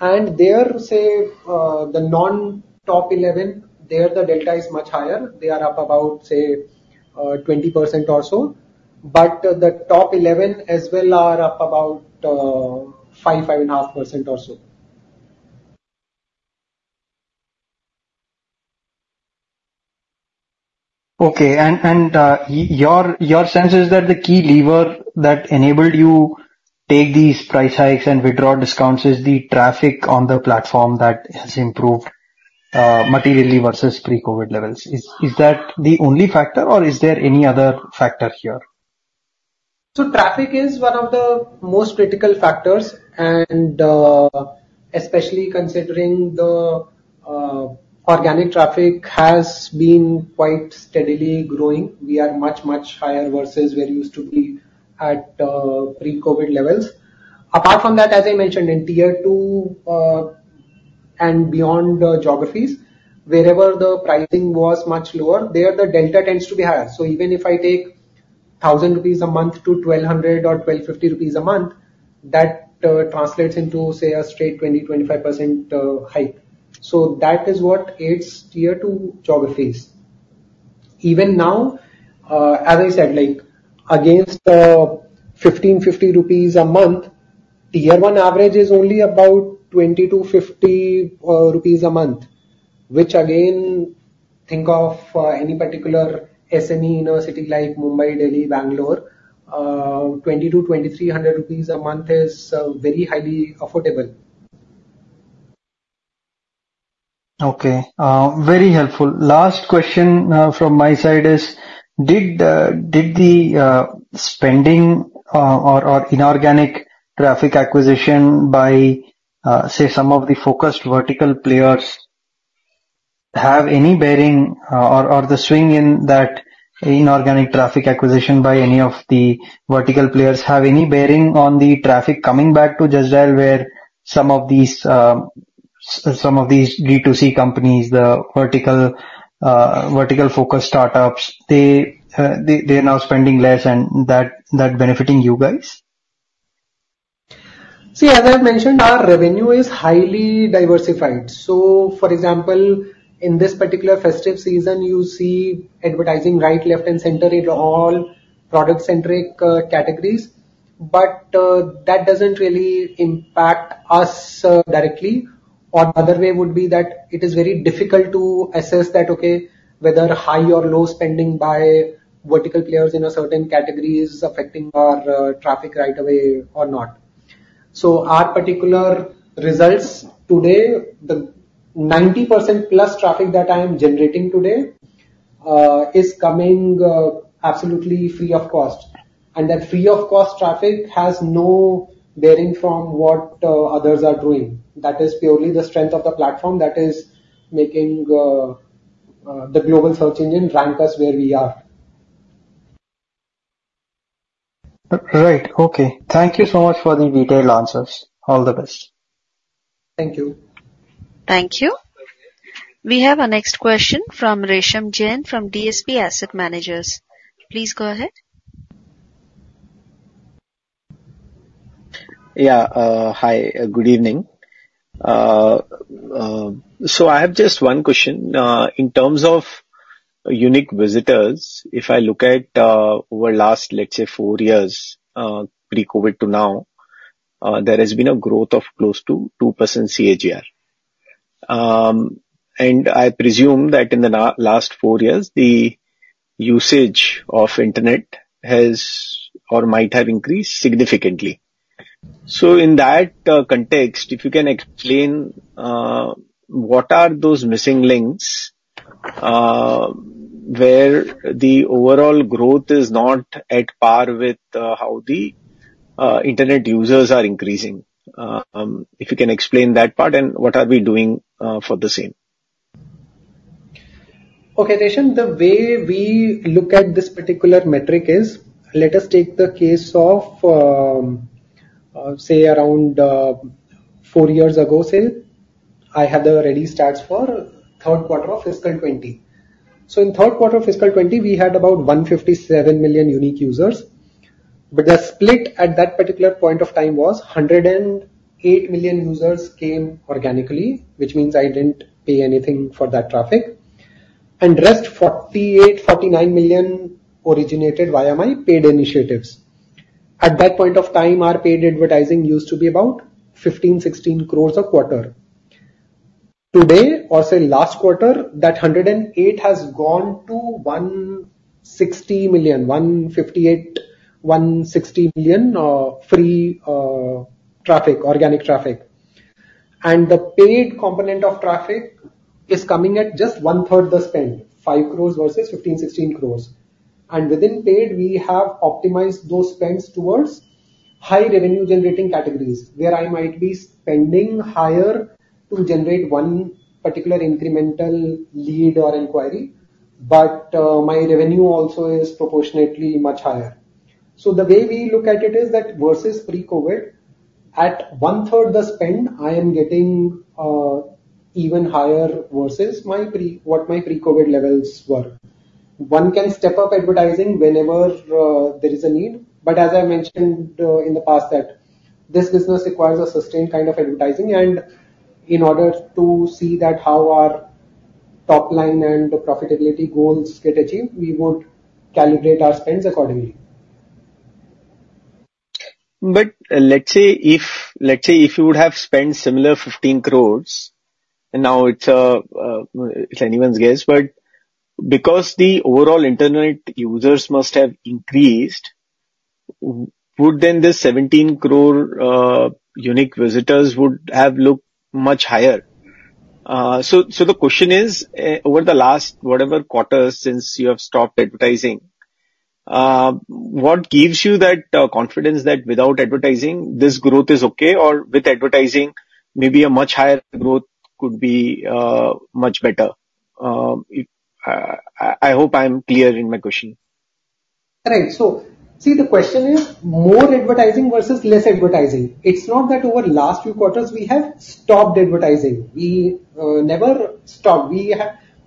There, say, the non-top 11, there the delta is much higher. They are up about, say, 20% or so, but the top 11 as well are up about 5%-5.5% or so. Okay. Your sense is that the key lever that enabled you take these price hikes and withdraw discounts is the traffic on the platform that has improved materially versus pre-COVID levels. Is that the only factor or is there any other factor here? Traffic is one of the most critical factors, and especially considering the organic traffic has been quite steadily growing. We are much, much higher versus where we used to be at pre-COVID levels. Apart from that, as I mentioned, in Tier-2 and beyond geographies, wherever the pricing was much lower, there the delta tends to be higher. So even if I take 1,000 rupees a month to 1,200 or 1,250 rupees a month, that translates into, say, a straight 20%-25% hike. So that is what aids Tier-2 geographies. Even now, as I said, like, against fifteen to fifty rupees a month, Tier-1 average is only about 20-50 rupees a month, which again, think of any particular SME in a city like Mumbai, Delhi, Bangalore, 2,000-2,300 rupees a month is very highly affordable. Okay, very helpful. Last question from my side is, did the spending or inorganic traffic acquisition by say some of the focused vertical players have any bearing or the swing in that inorganic traffic acquisition by any of the vertical players have any bearing on the traffic coming back to Just Dial, where some of these-... some of these D2C companies, the vertical, vertical focused startups, they, they, they're now spending less and that, that benefiting you guys? See, as I mentioned, our revenue is highly diversified. So for example, in this particular festive season, you see advertising right, left, and center in all product-centric categories. But, that doesn't really impact us directly. Or other way would be that it is very difficult to assess that, okay, whether high or low spending by vertical players in a certain category is affecting our traffic right away or not. So our particular results today, the 90%+ traffic that I am generating today is coming absolutely free of cost. And that free of cost traffic has no bearing from what others are doing. That is purely the strength of the platform that is making the global search engine rank us where we are. Right. Okay. Thank you so much for the detailed answers. All the best. Thank you. Thank you. We have our next question from Resham Jain, from DSP Asset Managers. Please go ahead. Yeah. Hi, good evening. So I have just one question. In terms of unique visitors, if I look at over the last, let's say, four years, pre-COVID to now, there has been a growth of close to 2% CAGR. And I presume that in the last four years, the usage of internet has or might have increased significantly. So in that context, if you can explain what are those missing links where the overall growth is not at par with how the internet users are increasing? If you can explain that part, and what are we doing for the same? Okay, Resham, the way we look at this particular metric is, let us take the case of, say, four years ago, say. I have the ready stats for third quarter of fiscal 2020. So in third quarter of fiscal 2020, we had about 157 million unique users, but the split at that particular point of time was 108 million users came organically, which means I didn't pay anything for that traffic, and rest, 48-49 million originated via my paid initiatives. At that point of time, our paid advertising used to be about 15-16 crores a quarter. Today, or say last quarter, that 108 has gone to 158-160 million free traffic, organic traffic. The paid component of traffic is coming at just one third the spend, 5 crore versus 15-16 crore. And within paid, we have optimized those spends towards high revenue generating categories, where I might be spending higher to generate one particular incremental lead or inquiry, but my revenue also is proportionately much higher. So the way we look at it is that versus pre-COVID, at one third the spend, I am getting even higher versus what my pre-COVID levels were. One can step up advertising whenever there is a need, but as I mentioned in the past, that this business requires a sustained kind of advertising. And in order to see that how our top line and profitability goals get achieved, we would calibrate our spends accordingly. But let's say if, let's say if you would have spent similar 15 crore, now it's, it's anyone's guess, but because the overall internet users must have increased, would then the 17 crore unique visitors would have looked much higher? So, so the question is, over the last whatever quarters since you have stopped advertising, what gives you that confidence that without advertising, this growth is okay, or with advertising, maybe a much higher growth could be much better? I hope I am clear in my question. Right. See, the question is more advertising versus less advertising. It's not that over the last few quarters we have stopped advertising. We never stopped.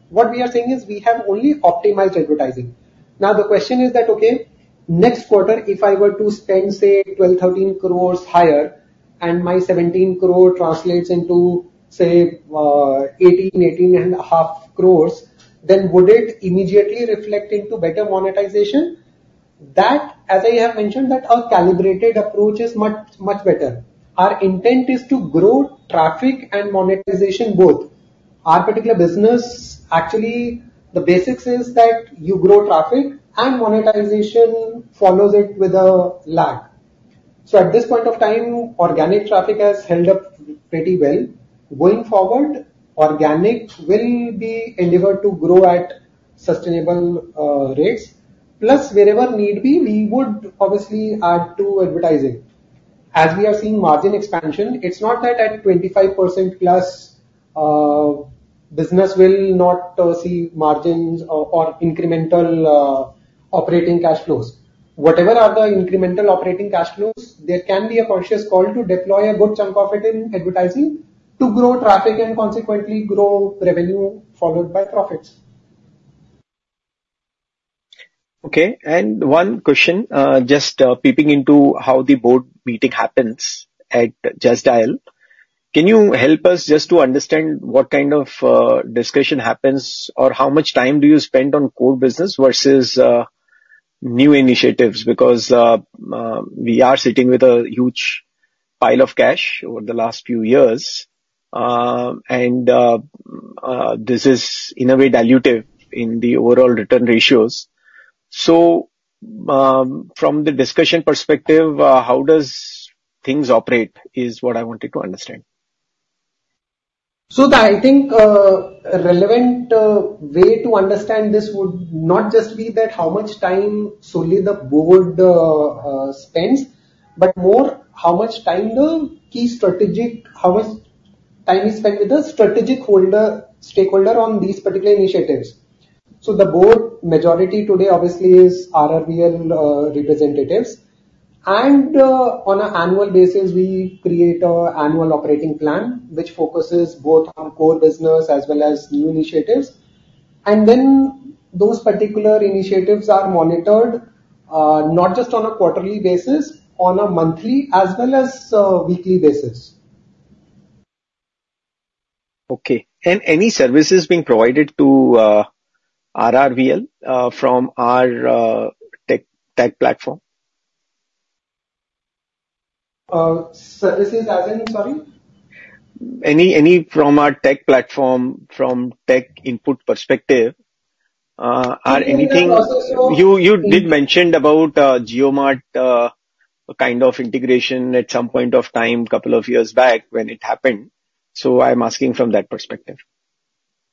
What we are saying is we have only optimized advertising. Now, the question is that, okay, next quarter, if I were to spend, say, 12-13 crore higher, and my 17 crore translates into, say, 18-18.5 crore, would it immediately reflect into better monetization? That, as I have mentioned, a calibrated approach is much, much better. Our intent is to grow traffic and monetization both. Our particular business, actually, the basics is that you grow traffic, and monetization follows it with a lag. At this point of time, organic traffic has held up pretty well. Going forward, organic will be endeavored to grow at sustainable rates. Plus, wherever need be, we would obviously add to advertising. As we are seeing margin expansion, it's not that at 25%+, business will not see margins or incremental operating cash flows. Whatever are the incremental operating cash flows, there can be a conscious call to deploy a good chunk of it in advertising to grow traffic and consequently grow revenue, followed by profits. Okay. One question, just peeping into how the board meeting happens at Just Dial. Can you help us just to understand what kind of discussion happens, or how much time do you spend on core business versus new initiatives? Because we are sitting with a huge pile of cash over the last few years, and this is in a way dilutive in the overall return ratios. So from the discussion perspective, how does things operate, is what I wanted to understand. I think the relevant way to understand this would not just be that how much time solely the board spends, but more how much time the key strategic—how much time is spent with the strategic holder, stakeholder on these particular initiatives. The board majority today obviously is RRVL representatives, and on an annual basis, we create our annual operating plan, which focuses both on core business as well as new initiatives. Those particular initiatives are monitored not just on a quarterly basis, on a monthly as well as weekly basis. Okay. And any services being provided to RRVL from our tech platform? Services as in, sorry? Anything from our tech platform, from tech input perspective, are anything— Also so- You, you did mention about JioMart kind of integration at some point of time, couple of years back when it happened, so I'm asking from that perspective.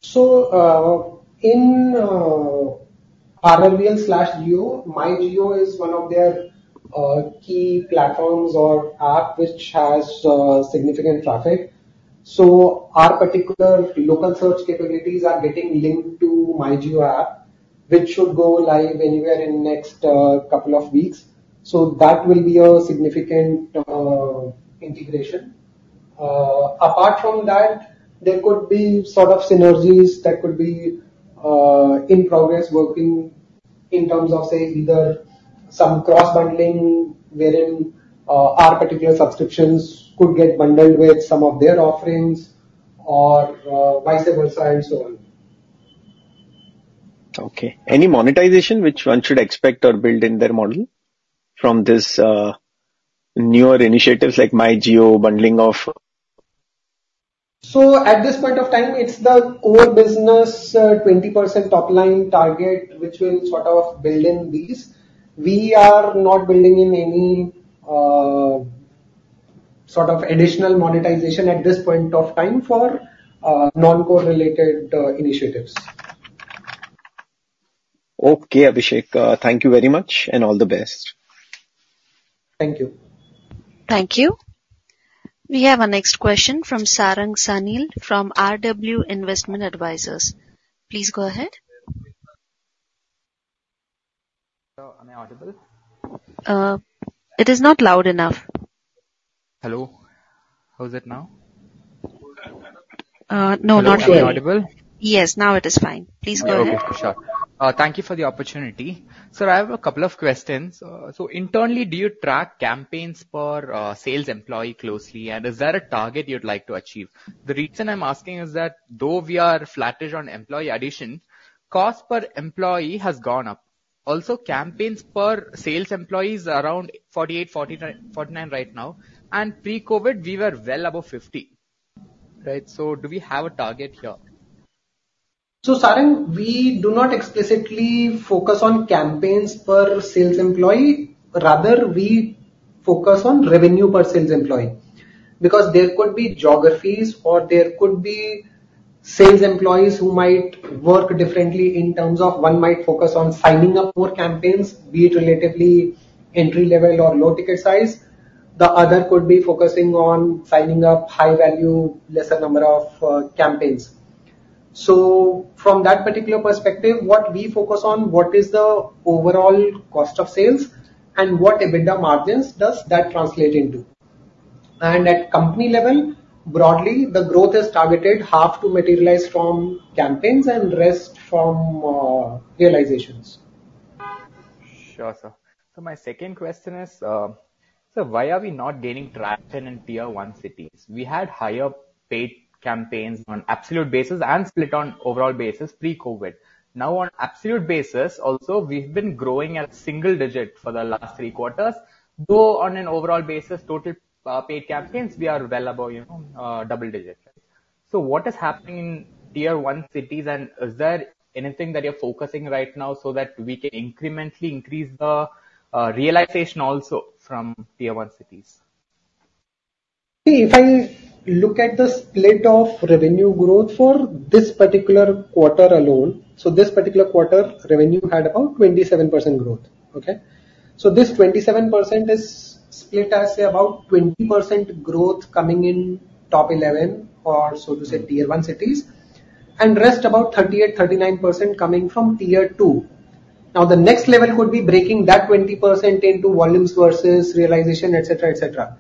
So, in RRVL/Jio, MyJio is one of their key platforms or app which has significant traffic. So our particular local search capabilities are getting linked to MyJio app, which should go live anywhere in next couple of weeks. So that will be a significant integration. Apart from that, there could be sort of synergies that could be in progress working in terms of, say, either some cross-bundling, wherein our particular subscriptions could get bundled with some of their offerings or vice versa and so on. Okay. Any monetization which one should expect or build in their model from this, newer initiatives like MyJio bundling of...? So at this point of time, it's the core business, 20% top-line target, which will sort of build in these. We are not building in any sort of additional monetization at this point of time for non-core related initiatives. Okay, Abhishek, thank you very much and all the best. Thank you. Thank you. We have our next question from Sarang Sanil, from RW Investment Advisors. Please go ahead. Hello, am I audible? It is not loud enough. Hello? How is it now? No, not clear. Am I audible? Yes, now it is fine. Please go ahead. Okay, sure. Thank you for the opportunity. Sir, I have a couple of questions. So internally, do you track campaigns per sales employee closely, and is there a target you'd like to achieve? The reason I'm asking is that though we are flattish on employee addition, cost per employee has gone up. Also, campaigns per sales employees are around 48, 49, 49 right now, and pre-COVID, we were well above 50. Right? So do we have a target here? So, Sarang, we do not explicitly focus on campaigns per sales employee. Rather, we focus on revenue per sales employee, because there could be geographies or there could be sales employees who might work differently in terms of one might focus on signing up more campaigns, be it relatively entry-level or low ticket size. The other could be focusing on signing up high value, lesser number of, campaigns. So from that particular perspective, what we focus on, what is the overall cost of sales and what EBITDA margins does that translate into? And at company level, broadly, the growth is targeted half to materialize from campaigns and rest from, realizations. Sure, sir. So my second question is, so why are we not gaining traction in Tier-1 cities? We had higher paid campaigns on absolute basis and split on overall basis pre-COVID. Now, on absolute basis, also, we've been growing at single digit for the last three quarters, though on an overall basis, total, paid campaigns, we are well above, you know, double digits. So what is happening in Tier-1 cities, and is there anything that you're focusing right now so that we can incrementally increase the, realization also from Tier-1 cities? If I look at the split of revenue growth for this particular quarter alone, so this particular quarter, revenue had about 27% growth. Okay? So this 27% is split as, say, about 20% growth coming in top 11 or so to say Tier-1 cities, and rest about 38%-39% coming from Tier-2. Now, the next level would be breaking that 20% into volumes versus realization, et cetera, et cetera.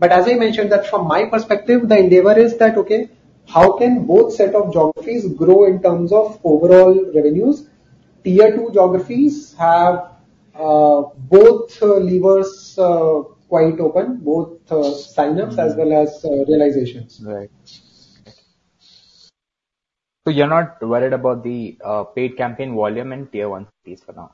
But as I mentioned that from my perspective, the endeavor is that, okay, how can both set of geographies grow in terms of overall revenues? Tier-2 geographies have both levers quite open, both signups as well as realizations. Right. So you're not worried about the paid campaign volume in Tier-1 cities for now?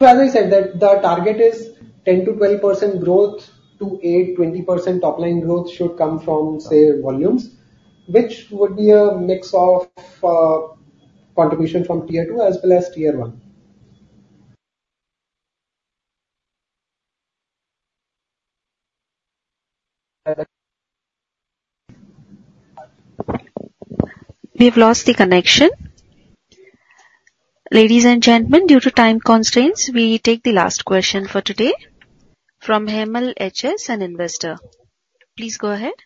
As I said, that the target is 10%-20% growth to 8%-20% top line growth should come from, say, volumes, which would be a mix of contribution from Tier-2 as well as Tier-1. We've lost the connection. Ladies and gentlemen, due to time constraints, we take the last question for today from Hemal HS, an investor. Please go ahead.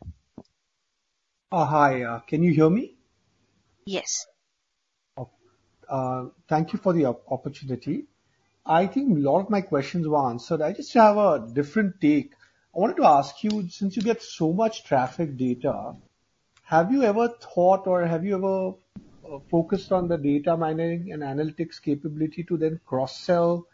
Oh, hi. Can you hear me? Yes. Thank you for the opportunity. I think a lot of my questions were answered. I just have a different take. I wanted to ask you, since you get so much traffic data, have you ever thought or have you ever focused on the data mining and analytics capability to then cross-sell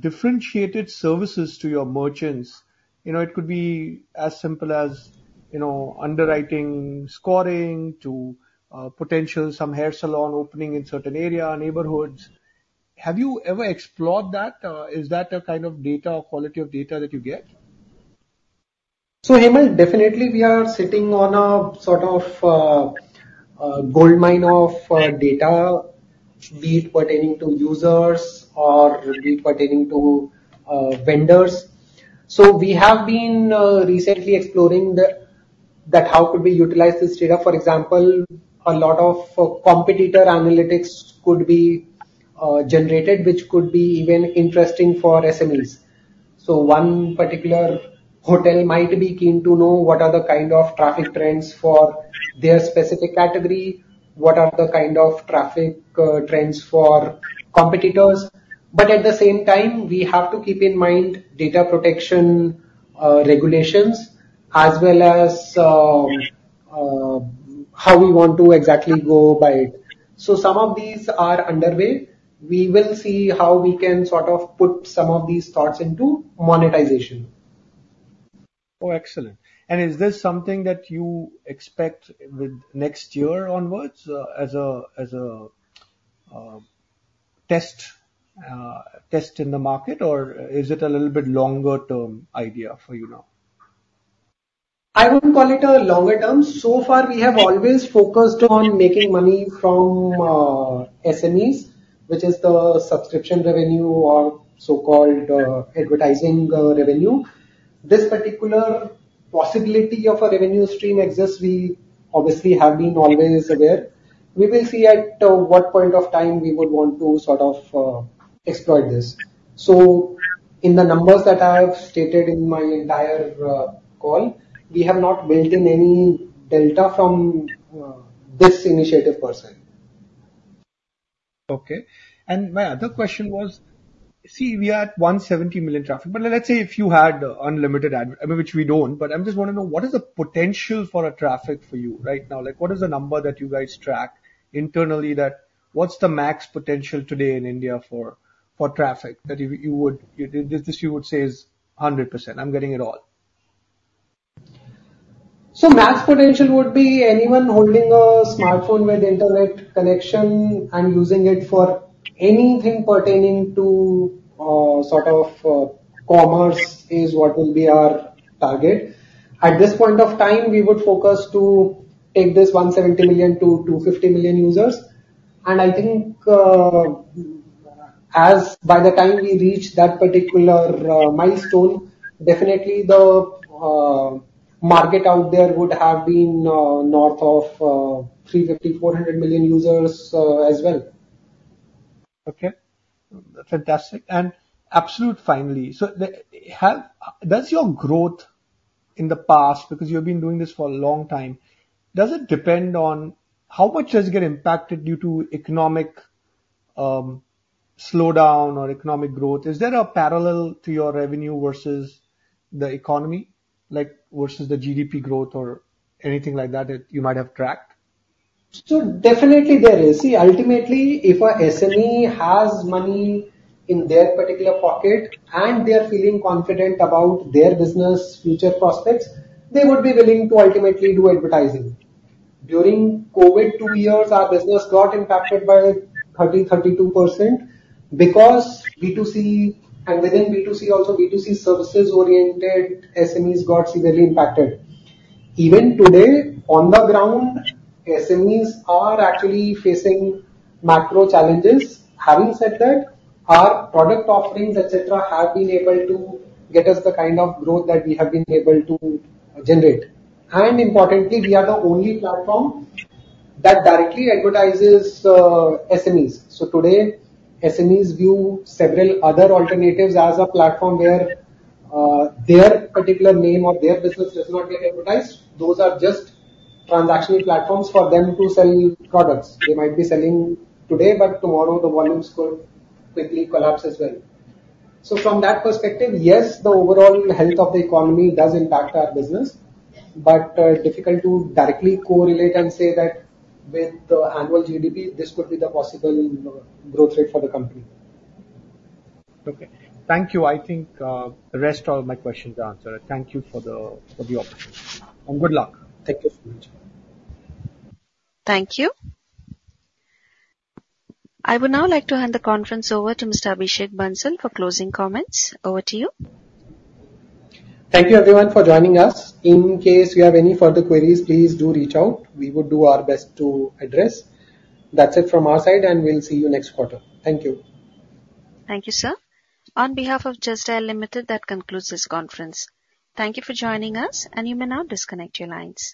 differentiated services to your merchants? You know, it could be as simple as, you know, underwriting, scoring, to potential some hair salon opening in certain area or neighborhoods. Have you ever explored that, or is that a kind of data or quality of data that you get? So, Hemal, definitely we are sitting on a sort of, goldmine of data, be it pertaining to users or be it pertaining to, vendors. So we have been, recently exploring that how could we utilize this data. For example, a lot of competitor analytics could be, generated, which could be even interesting for SMEs. So one particular hotel might be keen to know what are the kind of traffic trends for their specific category, what are the kind of traffic, trends for competitors. But at the same time, we have to keep in mind data protection, regulations, as well as, how we want to exactly go by it. So some of these are underway. We will see how we can sort of put some of these thoughts into monetization. Oh, excellent. And is this something that you expect with next year onwards, as a test in the market, or is it a little bit longer-term idea for you now? I wouldn't call it a longer term. So far, we have always focused on making money from, SMEs, which is the subscription revenue or so-called, advertising, revenue. This particular possibility of a revenue stream exists, we obviously have been always aware. We will see at what point of time we would want to sort of, exploit this. So in the numbers that I have stated in my entire, call, we have not built in any delta from, this initiative per se. Okay. And my other question was... See, we are at 170 million traffic, but let's say if you had unlimited ad, I mean, which we don't, but I just want to know, what is the potential for a traffic for you right now? Like, what is the number that you guys track internally that what's the max potential today in India for, for traffic, that you, you would-- this you would say is 100%, I'm getting it all? So max potential would be anyone holding a smartphone with internet connection and using it for anything pertaining to, sort of, commerce is what will be our target. At this point of time, we would focus to take this 170 million-250 million users. And I think, as by the time we reach that particular, milestone, definitely the, market out there would have been, north of, 350-400 million users, as well. Okay. Fantastic. And absolutely finally, so does your growth in the past, because you've been doing this for a long time, does it depend on how much does it get impacted due to economic slowdown or economic growth? Is there a parallel to your revenue versus the economy, like versus the GDP growth or anything like that, that you might have tracked? So definitely there is. See, ultimately, if a SME has money in their particular pocket and they are feeling confident about their business future prospects, they would be willing to ultimately do advertising. During COVID two years, our business got impacted by 30%-32% because B2C, and within B2C, also B2C services-oriented SMEs got severely impacted. Even today, on the ground, SMEs are actually facing macro challenges. Having said that, our product offerings, et cetera, have been able to get us the kind of growth that we have been able to generate. And importantly, we are the only platform that directly advertises SMEs. So today, SMEs view several other alternatives as a platform where their particular name or their business does not get advertised. Those are just transactional platforms for them to sell products. They might be selling today, but tomorrow the volumes could quickly collapse as well. So from that perspective, yes, the overall health of the economy does impact our business, but difficult to directly correlate and say that with annual GDP, this could be the possible growth rate for the company. Okay. Thank you. I think, the rest of my questions are answered. Thank you for the, for the opportunity, and good luck. Thank you. Thank you. I would now like to hand the conference over to Mr. Abhishek Bansal for closing comments. Over to you. Thank you, everyone, for joining us. In case you have any further queries, please do reach out. We will do our best to address. That's it from our side, and we'll see you next quarter. Thank you. Thank you, sir. On behalf of Just Dial Limited, that concludes this conference. Thank you for joining us, and you may now disconnect your lines.